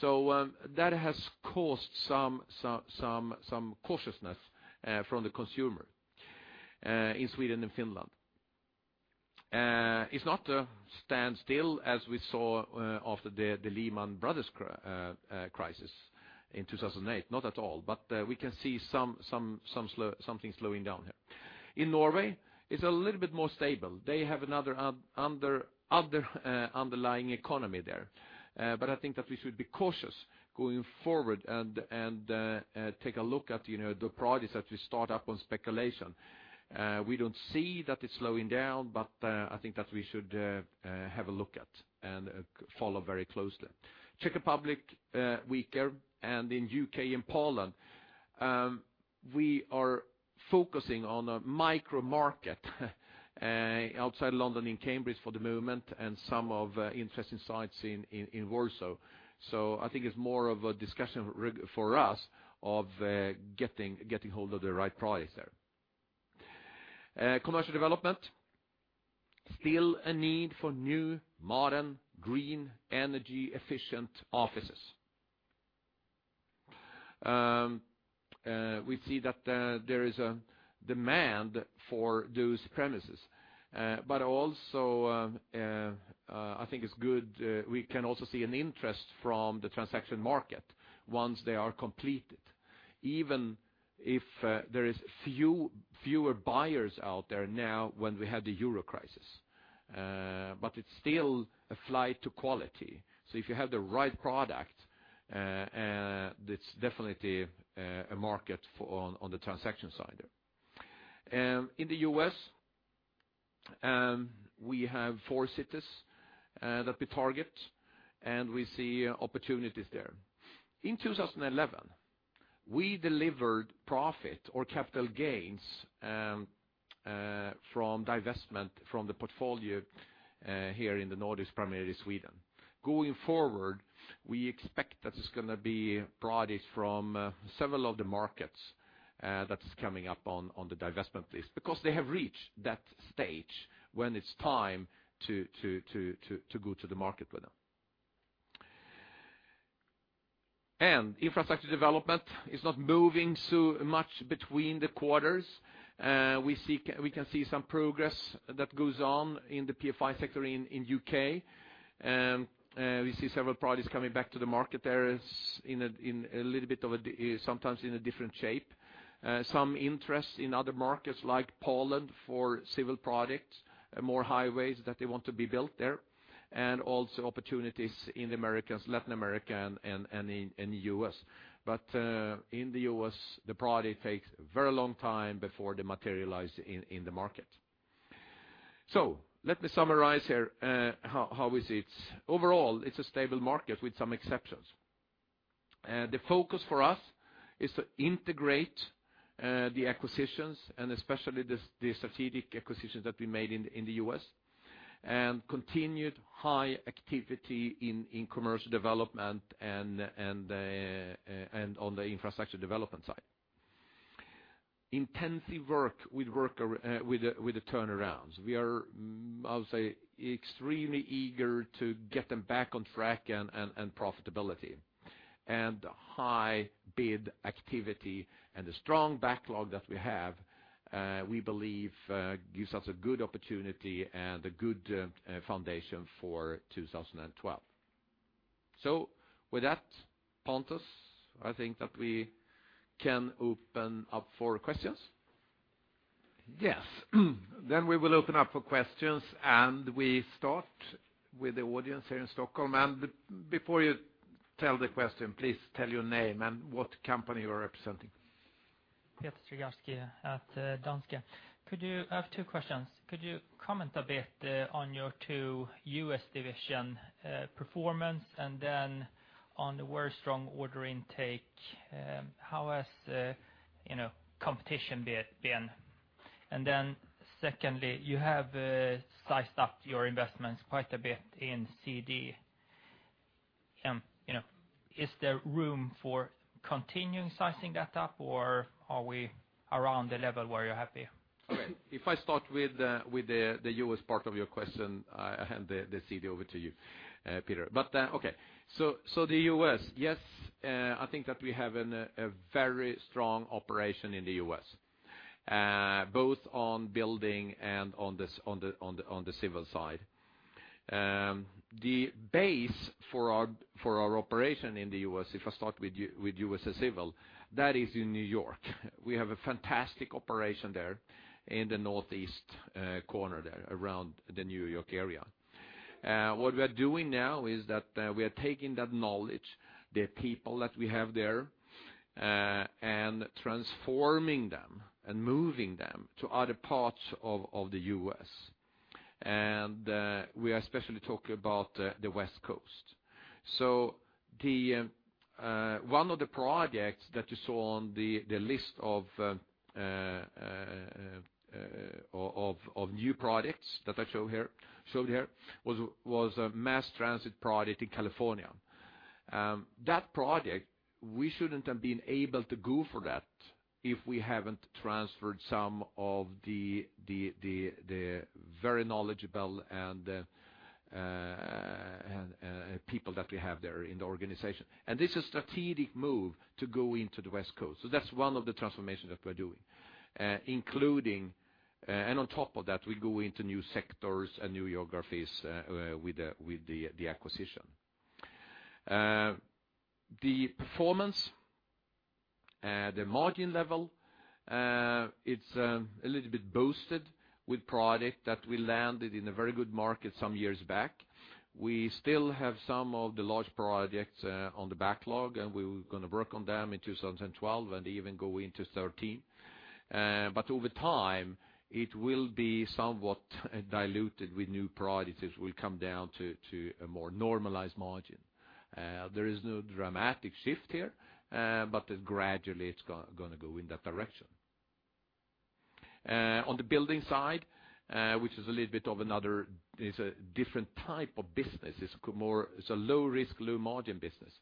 Speaker 2: So, that has caused some cautiousness from the consumer in Sweden and Finland. It's not a standstill as we saw after the Lehman Brothers crisis in 2008, not at all, but we can see something slowing down here. In Norway, it's a little bit more stable. They have another underlying economy there. But I think that we should be cautious going forward and take a look at, you know, the projects that we start up on speculation. We don't see that it's slowing down, but I think that we should have a look at and follow very closely. Czech Republic, weaker, and in U.K. and Poland, we are focusing on a micro market, outside London, in Cambridge for the moment, and some of interesting sites in Warsaw. So I think it's more of a discussion re- for us of getting hold of the right price there. Commercial Development, still a need for new, modern, green, energy-efficient offices. We see that there is a demand for those premises, but also, I think it's good, we can also see an interest from the transaction market once they are completed, even if there is fewer buyers out there now when we had the Euro crisis. But it's still a flight to quality, so if you have the right product, it's definitely a market for on, on the transaction side there. In the U.S., we have four cities that we target, and we see opportunities there. In 2011, we delivered profit or capital gains from divestment from the portfolio here in the Nordics, primarily Sweden. Going forward, we expect that it's gonna be projects from several of the markets, that's coming up on the divestment list, because they have reached that stage when it's time to go to the market with them. And infrastructure development is not moving so much between the quarters. We see, we can see some progress that goes on in the PFI sector in the U.K. We see several projects coming back to the market there as in a little bit of a different shape sometimes. Some interest in other markets like Poland for civil products, more highways that they want to be built there, and also opportunities in the Americas, Latin America, and in the U.S. But in the U.S., the project takes a very long time before they materialize in the market. So let me summarize here, how is it? Overall, it's a stable market with some exceptions. The focus for us is to integrate the acquisitions, and especially the strategic acquisitions that we made in the U.S., and continued high activity in Commercial Development and on the infrastructure development side. Intensive work with the turnarounds. We are, I would say, extremely eager to get them back on track and profitability. And high bid activity and the strong backlog that we have, we believe, gives us a good opportunity and a good foundation for 2012. So with that, Pontus, I think that we can open up for questions.
Speaker 1: Yes. Then we will open up for questions, and we start with the audience here in Stockholm. Before you tell the question, please tell your name and what company you are representing.
Speaker 4: Peter Trigarszky at Danske. Could you... I have two questions. Could you comment a bit on your two U.S. division performance, and then on the very strong order intake, how has, you know, competition been, been? And then secondly, you have sized up your investments quite a bit in CD. You know, is there room for continuing sizing that up, or are we around the level where you're happy?
Speaker 2: Okay, if I start with the U.S. part of your question, I hand the CD over to you, Peter. But okay, so the U.S., yes, I think that we have a very strong operation in the U.S., both on building and on the civil side. The base for our operation in the U.S., if I start with USA Civil, that is in New York. We have a fantastic operation there in the northeast corner there, around the New York area. What we are doing now is that we are taking that knowledge, the people that we have there, and transforming them and moving them to other parts of the U.S. And we are especially talking about the West Coast. So the one of the projects that you saw on the list of new projects that I showed here was a mass transit project in California. That project, we shouldn't have been able to go for that if we haven't transferred some of the very knowledgeable and people that we have there in the organization. And this is a strategic move to go into the West Coast. So that's one of the transformations that we're doing, including and on top of that, we go into new sectors and new geographies with the acquisition. The performance at the margin level, it's a little bit boosted with project that we landed in a very good market some years back. We still have some of the large projects on the backlog, and we were going to work on them in 2012, and even go into 2013. But over time, it will be somewhat diluted with new projects as we come down to a more normalized margin. There is no dramatic shift here, but gradually, it's gonna go in that direction. On the building side, which is a little bit of another, is a different type of business. It's more, it's a low risk, low margin business.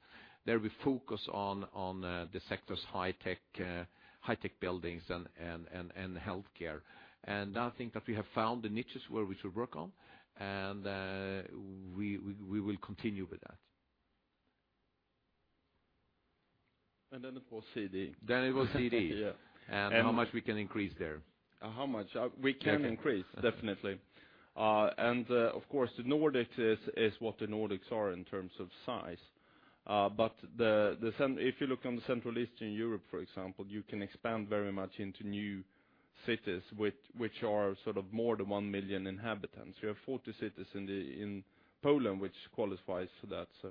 Speaker 2: There we focus on the sector's high-tech buildings and healthcare. And I think that we have found the niches where we should work on, and we will continue with that.
Speaker 3: And then it was CD.
Speaker 2: Then it was CD.
Speaker 3: Yeah.
Speaker 2: And how much we can increase there?
Speaker 3: How much? We can increase, definitely. And, of course, the Nordics is what the Nordics are in terms of size. But the Central Eastern Europe, for example, if you look on the Central Eastern Europe, you can expand very much into new cities, which are sort of more than 1 million inhabitants. We have 40 cities in Poland, which qualifies for that, so.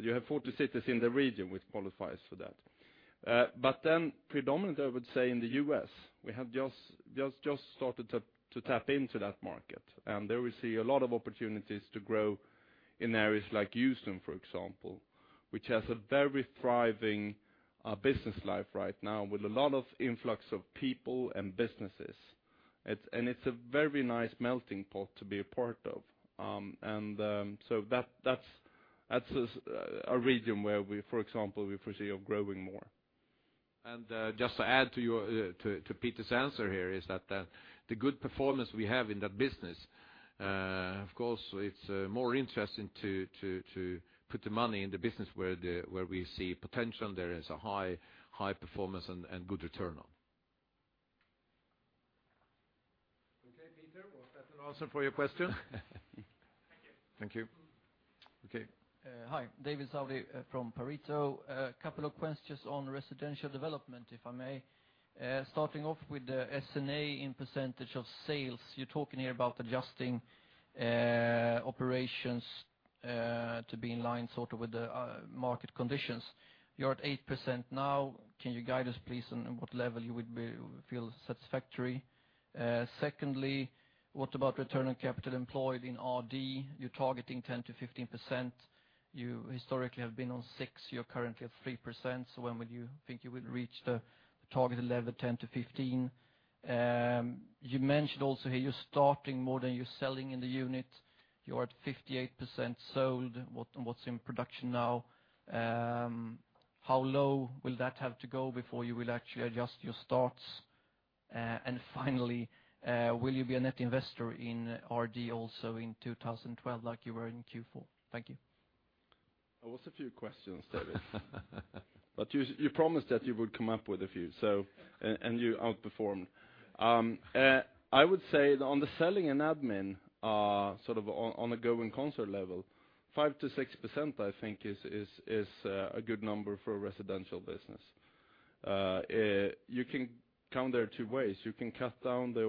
Speaker 3: You have 40 cities in the region which qualifies for that. But then predominantly, I would say in the U.S., we have just started to tap into that market, and there we see a lot of opportunities to grow in areas like Houston, for example, which has a very thriving business life right now with a lot of influx of people and businesses. It's a very nice melting pot to be a part of. And that's a region where we, for example, we foresee of growing more.
Speaker 2: Just to add to your, to Peter's answer here, is that the good performance we have in that business, of course, it's more interesting to put the money in the business where we see potential, there is a high performance and good return on.
Speaker 1: Okay, Peter, was that an answer for your question?
Speaker 4: Thank you.
Speaker 2: Thank you. Okay.
Speaker 5: Hi, David Savi from Pareto. A couple of questions on residential development, if I may. Starting off with the S&A in percentage of sales, you're talking here about adjusting operations to be in line sort of with the market conditions. You're at 8% now. Can you guide us, please, on what level you would feel satisfactory? Secondly, what about return on capital employed in R&D? You're targeting 10%-15%. You historically have been on 6%, you're currently at 3%. So when would you think you will reach the targeted level, 10%-15%? You mentioned also here, you're starting more than you're selling in the unit. You are at 58% sold. What's in production now? How low will that have to go before you will actually adjust your starts? Finally, will you be a net investor in R&D also in 2012, like you were in Q4? Thank you.
Speaker 3: That was a few questions, David. But you, you promised that you would come up with a few, so, and, and you outperformed. I would say on the selling and admin, sort of on, on a going concern level, 5%-6%, I think, is a good number for a residential business. You can count there two ways. You can cut down the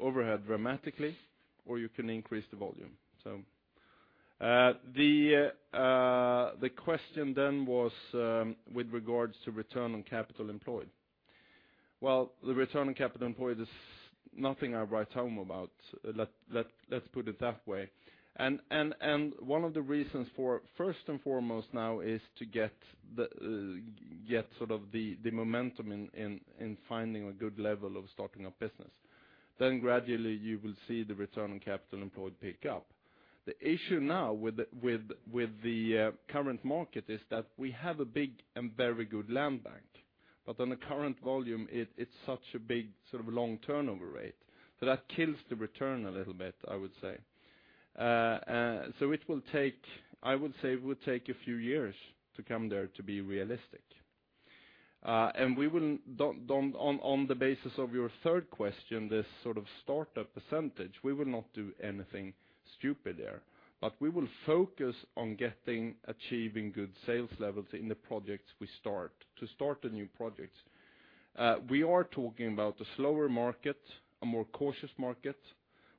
Speaker 3: overhead dramatically, or you can increase the volume. So, the question then was, with regards to return on capital employed. Well, the return on capital employed is nothing I write home about. Let's put it that way. And one of the reasons for, first and foremost now, is to get the, get sort of the momentum in finding a good level of starting a business. Then gradually you will see the return on capital employed pick up. The issue now with the current market is that we have a big and very good land bank. But on the current volume, it's such a big sort of long turnover rate, so that kills the return a little bit, I would say. So it will take, I would say, a few years to come there to be realistic. And on the basis of your third question, this sort of startup percentage, we will not do anything stupid there. But we will focus on getting, achieving good sales levels in the projects we start, to start the new projects.
Speaker 4: We are talking about a slower market, a more cautious market,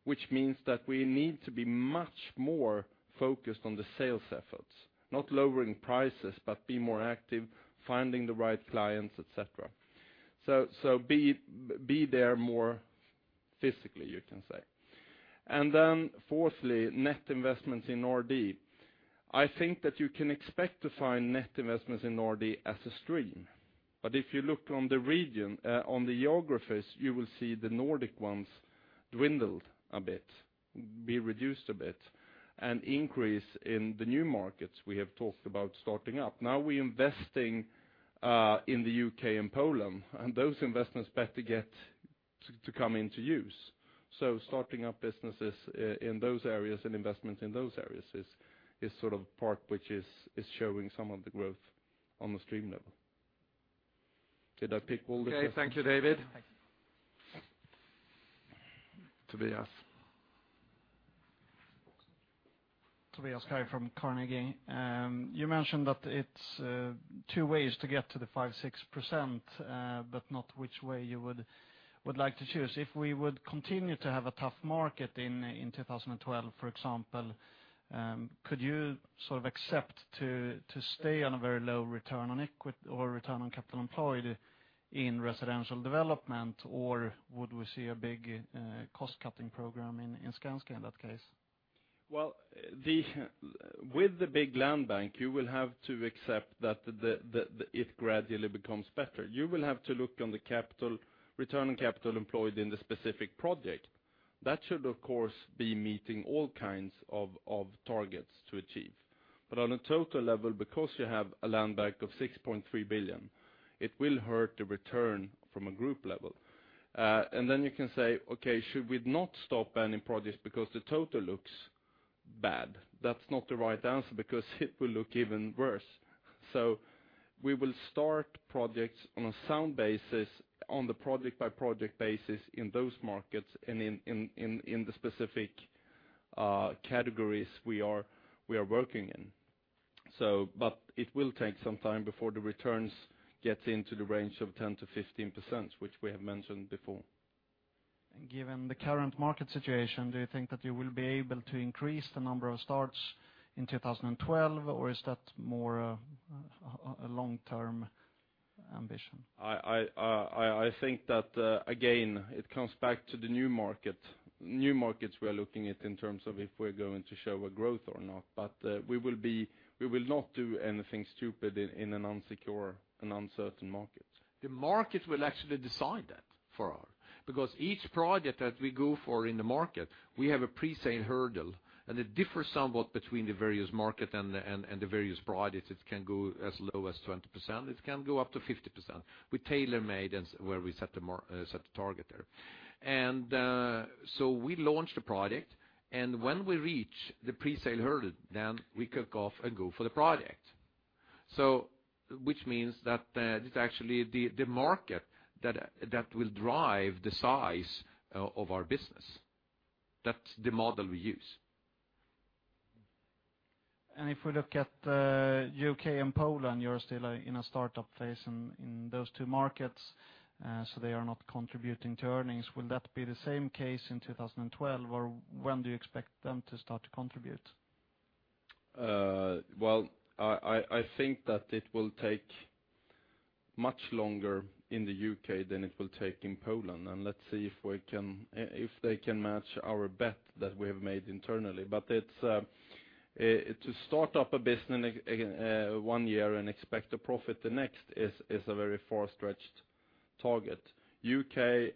Speaker 4: which means that we need to be much more focused on the sales efforts, not lowering prices, but be more active, finding the right clients, et cetera. So be there more physically, you can say. And then, fourthly, net investments in R&D. I think that you can expect to find net investments in R&D as a stream. But if you look on the region, on the geographies, you will see the Nordic ones dwindled a bit, be reduced a bit, and increase in the new markets we have talked about starting up. Now we're investing in the U.K. and Poland, and those investments better get to come into use. So starting up businesses in those areas and investments in those areas is sort of part which is showing some of the growth on the stream level. Did I pick all the things?
Speaker 3: Okay, thank you, David. Tobias?
Speaker 6: Tobias Kaj from Carnegie. You mentioned that it's two ways to get to the 5%-6%, but not which way you would, would like to choose. If we would continue to have a tough market in 2012, for example, could you sort of accept to stay on a very low return on equity or return on capital employed in residential development, or would we see a big cost-cutting program in Skanska in that case?
Speaker 3: Well, with the big land bank, you will have to accept that it gradually becomes better. You will have to look on the capital, return on capital employed in the specific project. That should, of course, be meeting all kinds of targets to achieve. But on a total level, because you have a land bank of 6.3 billion, it will hurt the return from a group level. And then you can say, "Okay, should we not stop any projects because the total looks bad?" That's not the right answer, because it will look even worse. So we will start projects on a sound basis, on the project-by-project basis in those markets and in the specific categories we are working in. But it will take some time before the returns get into the range of 10%-15%, which we have mentioned before.
Speaker 6: Given the current market situation, do you think that you will be able to increase the number of starts in 2012, or is that more a long-term ambition?
Speaker 3: I think that again, it comes back to the new market, new markets we are looking at in terms of if we're going to show a growth or not. But, we will not do anything stupid in an unsecure and uncertain market.
Speaker 2: The market will actually decide that for us, because each project that we go for in the market, we have a pre-sale hurdle, and it differs somewhat between the various market and the various projects. It can go as low as 20%, it can go up to 50%. We tailor-made as where we set the target there. And, so we launch the project, and when we reach the pre-sale hurdle, then we kick off and go for the project. So which means that, it's actually the market that will drive the size of our business. That's the model we use.
Speaker 6: If we look at the U.K. and Poland, you're still in a startup phase in those two markets, so they are not contributing to earnings. Will that be the same case in 2012, or when do you expect them to start to contribute?
Speaker 3: Well, I think that it will take much longer in the U.K. than it will take in Poland. And let's see if they can match our bet that we have made internally. But it's to start up a business one year and expect a profit the next is a very far-stretched target. U.K.,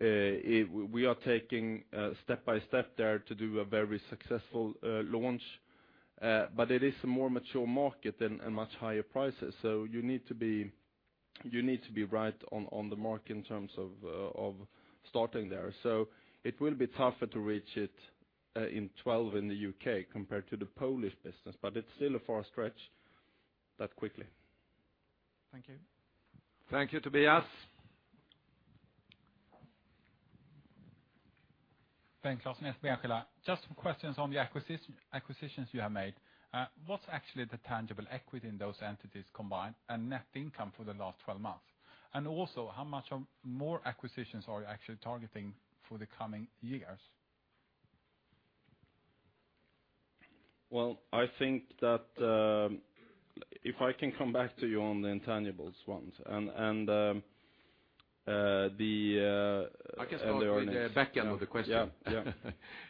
Speaker 3: we are taking step by step there to do a very successful launch. But it is a more mature market and much higher prices, so you need to be right on the mark in terms of starting there. So it will be tougher to reach it in 2012 in the U.K. compared to the Polish business, but it's still a far stretch that quickly.
Speaker 6: Thank you.
Speaker 1: Thank you, Tobias.
Speaker 7: Thanks, Pontus. Niklas Anger. Just some questions on the acquisitions you have made. What's actually the tangible equity in those entities combined and net income for the last 12 months? And also, how much of more acquisitions are you actually targeting for the coming years?
Speaker 3: Well, I think that if I can come back to you on the intangibles ones, and the earnings-
Speaker 7: I can start with the back end of the question.
Speaker 3: Yeah,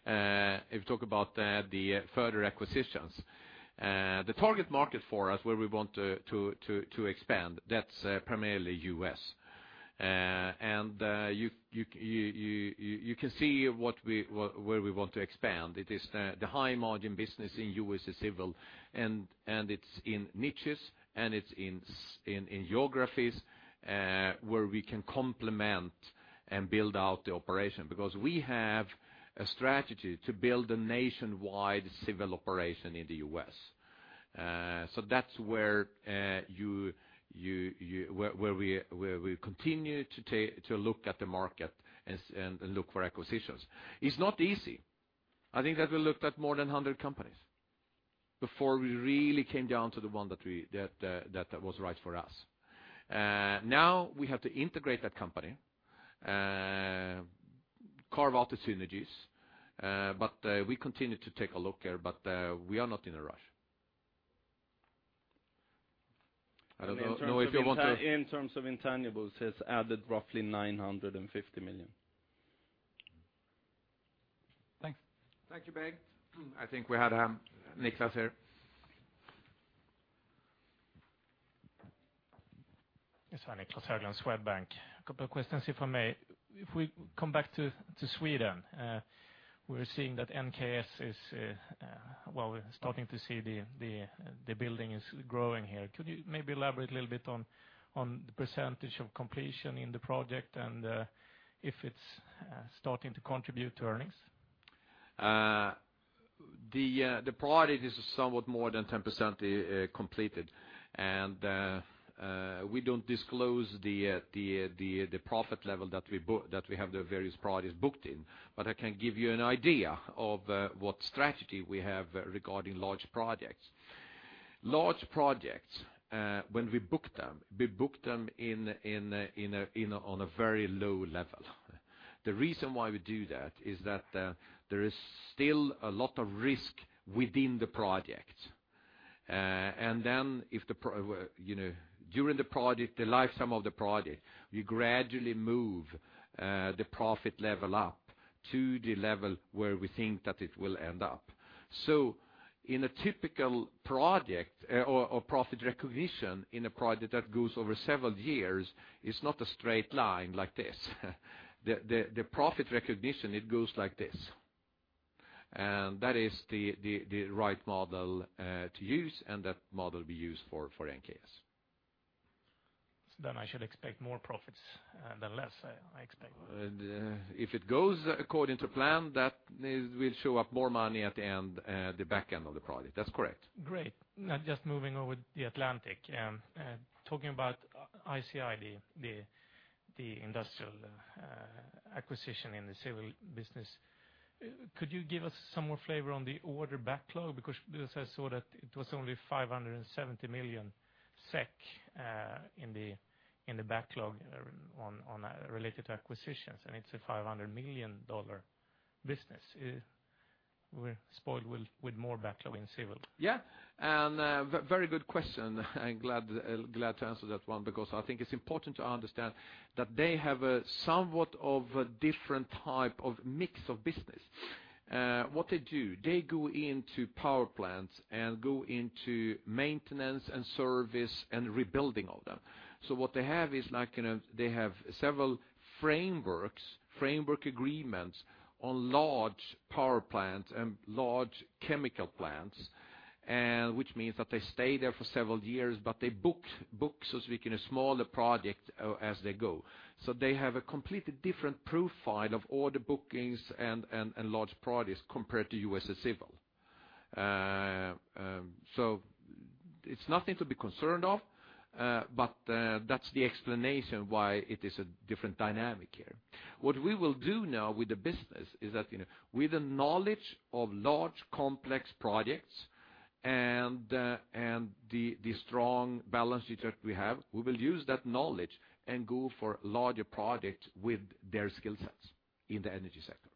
Speaker 3: yeah.
Speaker 7: If you talk about the further acquisitions, the target market for us, where we want to expand, that's primarily U.S.
Speaker 2: You can see where we want to expand. It is the high-margin business in USA Civil, and it's in niches, and it's in geographies where we can complement and build out the operation. Because we have a strategy to build a nationwide civil operation in the U.S. So that's where we continue to look at the market and look for acquisitions. It's not easy. I think that we looked at more than 100 companies before we really came down to the one that was right for us. Now we have to integrate that company, carve out the synergies, but we continue to take a look here, but we are not in a rush. I don't know if you want to-
Speaker 3: In terms of intangibles, it's added roughly 950 million.
Speaker 7: Thanks.
Speaker 2: Thank you, Berg. I think we had Niklas here.
Speaker 8: Yes, hi, Niclas Höglund, Swedbank. A couple of questions, if I may. If we come back to Sweden, we're seeing that NKS is... Well, we're starting to see the building is growing here. Could you maybe elaborate a little bit on the percentage of completion in the project and if it's starting to contribute to earnings?
Speaker 2: The project is somewhat more than 10% completed. And we don't disclose the profit level that we book—that we have the various projects booked in, but I can give you an idea of what strategy we have regarding large projects. Large projects, when we book them, we book them on a very low level. The reason why we do that is that there is still a lot of risk within the project. And then if the pro—you know, during the project, the lifetime of the project, we gradually move the profit level up to the level where we think that it will end up. So in a typical project, profit recognition in a project that goes over several years, it's not a straight line like this. The profit recognition, it goes like this. And that is the right model to use, and that model we use for NKS.
Speaker 8: So then I should expect more profits than less, I expect.
Speaker 2: If it goes according to plan, that will show up more money at the end, the back end of the project. That's correct.
Speaker 8: Great. Now, just moving over the Atlantic, talking about ICI, the industrial acquisition in the civil business, could you give us some more flavor on the order backlog? Because I saw that it was only 570 million SEK in the backlog on related to acquisitions, and it's a $500 million business. We're spoiled with more backlog in civil.
Speaker 2: Yeah, and very good question. I'm glad to answer that one, because I think it's important to understand that they have a somewhat of a different type of mix of business. What they do, they go into power plants and go into maintenance and service and rebuilding of them. So what they have is, like, you know, they have several frameworks, framework agreements on large power plants and large chemical plants, and which means that they stay there for several years, but they book, so speaking, a smaller project as they go. So they have a completely different profile of order bookings and large projects compared to USA Civil. So it's nothing to be concerned of, but that's the explanation why it is a different dynamic here. What we will do now with the business is that, you know, with the knowledge of large, complex projects and the strong balance sheet that we have, we will use that knowledge and go for larger projects with their skill sets in the energy sector.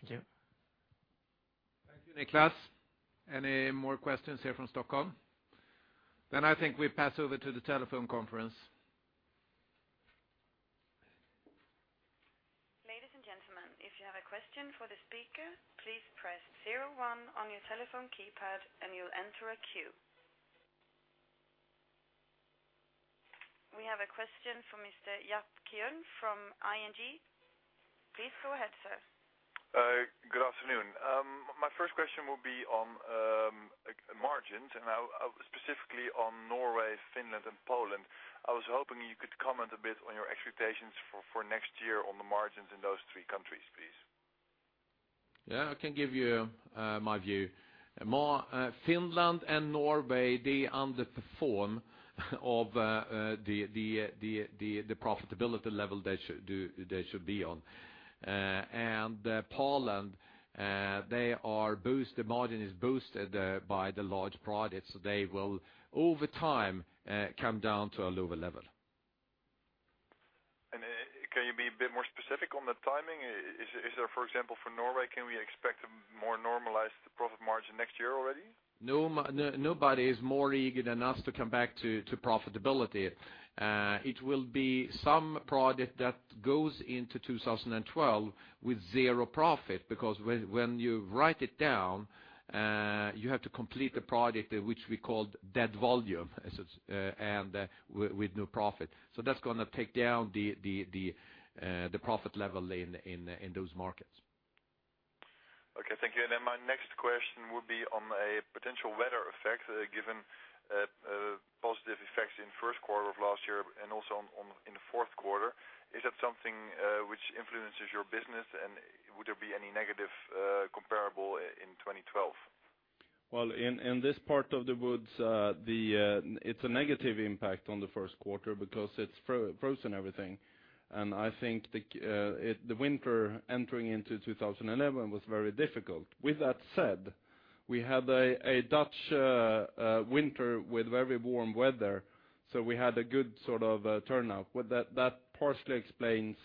Speaker 8: Thank you.
Speaker 1: Thank you, Niclas. Any more questions here from Stockholm? Then I think we pass over to the telephone conference.
Speaker 9: Ladies and gentlemen, if you have a question for the speaker, please press zero one on your telephone keypad, and you'll enter a queue. We have a question from Mr. Jaap Kuin from ING. Please go ahead, sir.
Speaker 10: Good afternoon. My first question will be on margins, and specifically on Norway, Finland, and Poland. I was hoping you could comment a bit on your expectations for next year on the margins in those three countries, please.
Speaker 2: Yeah, I can give you my view. More, Finland and Norway, they underperform of the profitability level they should do. They should be on. And Poland, they are boost. The margin is boosted by the large projects. They will, over time, come down to a lower level.
Speaker 10: Can you be a bit more specific on the timing? Is there, for example, for Norway, can we expect a more normalized profit margin next year already?
Speaker 2: Nobody is more eager than us to come back to, to profitability. It will be some project that goes into 2012 with 0 profit, because when, when you write it down, you have to complete the project, which we called dead volume, as it's, and, with, with no profit. So that's gonna take down the, the, the, the profit level in, in, in those markets.
Speaker 10: Okay, thank you. And then my next question would be on a potential weather effect, given positive effects in first quarter of last year and also in the fourth quarter. Is that something which influences your business? And would there be any negative comparable in 2012?
Speaker 3: Well, in this part of the woods, it's a negative impact on the first quarter because it's frozen everything. And I think the winter entering into 2011 was very difficult. With that said, we had a Dutch winter with very warm weather, so we had a good sort of turnout. Well, that partially explains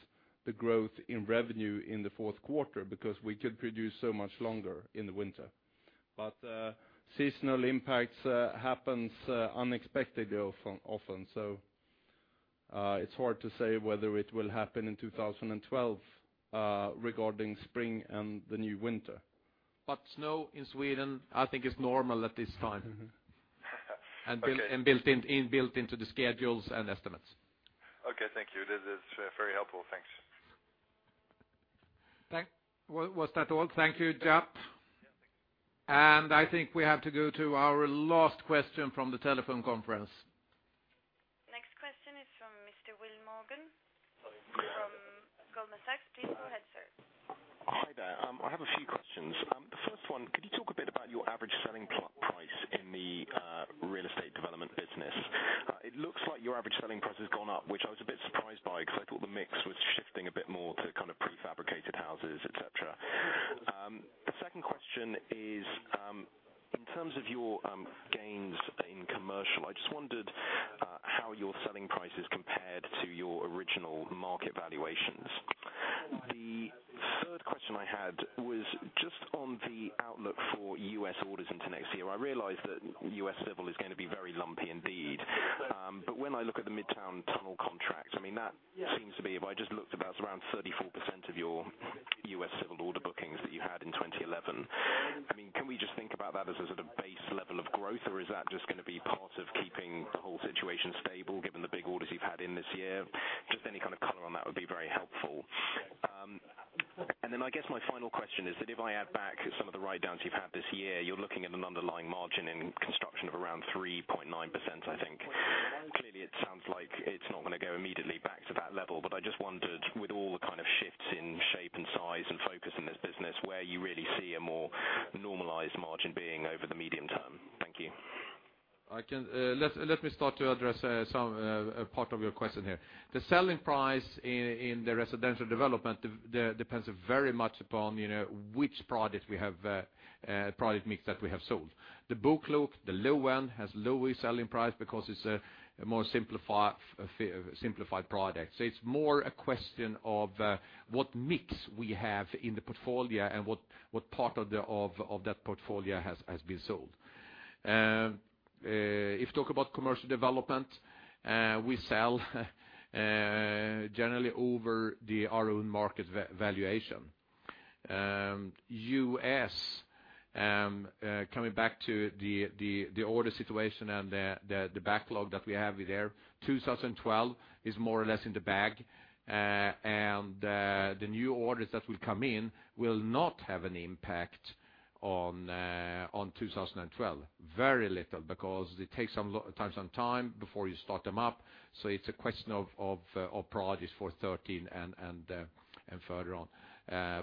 Speaker 3: the growth in revenue in the fourth quarter, because we could produce so much longer in the winter. But seasonal impacts happens unexpectedly often, so it's hard to say whether it will happen in 2012, regarding spring and the new winter.
Speaker 2: But snow in Sweden, I think, is normal at this time.
Speaker 10: Okay.
Speaker 2: Built into the schedules and estimates.
Speaker 10: Okay, thank you. This is very helpful. Thanks.
Speaker 2: Was that all? Thank you, Jaap. I think we have to go to our last question from the telephone conference.
Speaker 9: Next question is from Mr. Will Morgan from Goldman Sachs. Please go ahead, sir.
Speaker 11: Hi there. I have a few questions. The first one, could you talk a bit about your average selling price in the real estate development business? It looks like your average selling price has gone up, which I was a bit surprised by, because I thought the mix was shifting
Speaker 2: If you talk about Commercial Development, we sell generally over our own market valuation. U.S., coming back to the order situation and the backlog that we have there, 2012 is more or less in the bag. And, the new orders that will come in will not have an impact on, on 2012. Very little, because it takes some time before you start them up, so it's a question of projects for 2013 and further on.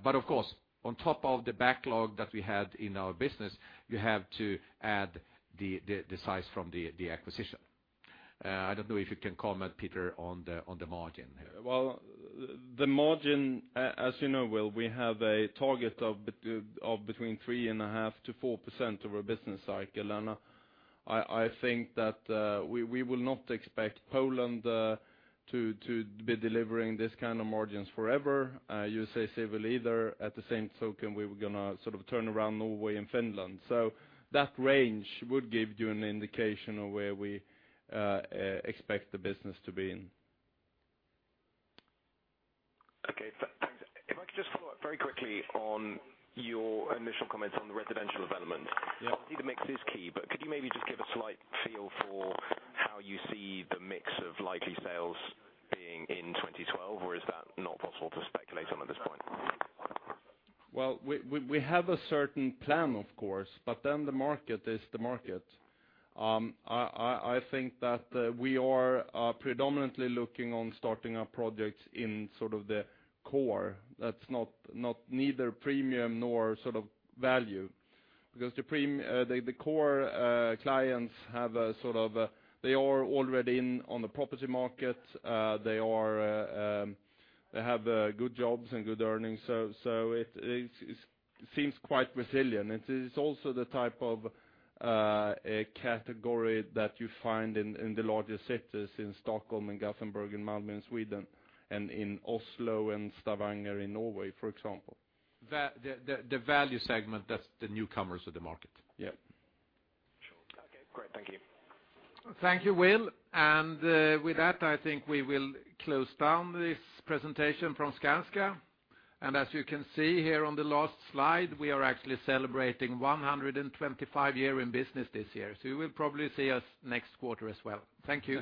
Speaker 2: But of course, on top of the backlog that we had in our business, you have to add the size from the acquisition. I don't know if you can comment, Peter, on the margin here.
Speaker 3: Well, the margin, as you know, Will, we have a target of between 3.5%-4% over a business cycle. And I think that we will not expect Poland to be delivering this kind of margins forever, USA Civil either. At the same token, we were gonna sort of turn around Norway and Finland. So that range would give you an indication of where we expect the business to be in.
Speaker 11: Okay, thanks. If I could just follow up very quickly on your initial comments on the residential development.
Speaker 3: Yeah.
Speaker 11: I think the mix is key, but could you maybe just give a slight feel for how you see the mix of likely sales being in 2012, or is that not possible to speculate on at this point?
Speaker 3: Well, we have a certain plan, of course, but then the market is the market. I think that we are predominantly looking on starting our projects in sort of the core. That's not neither premium nor sort of value, because the core clients have a sort of- They are already in on the property market. They are, they have good jobs and good earnings, so it seems quite resilient. It is also the type of a category that you find in the larger cities, in Stockholm, in Gothenburg, in Malmö, in Sweden, and in Oslo and Stavanger in Norway, for example.
Speaker 2: The value segment, that's the newcomers of the market.
Speaker 3: Yeah.
Speaker 11: Sure. Okay, great. Thank you.
Speaker 2: Thank you, Will. With that, I think we will close down this presentation from Skanska. As you can see here on the last slide, we are actually celebrating 125 year in business this year, so you will probably see us next quarter as well. Thank you.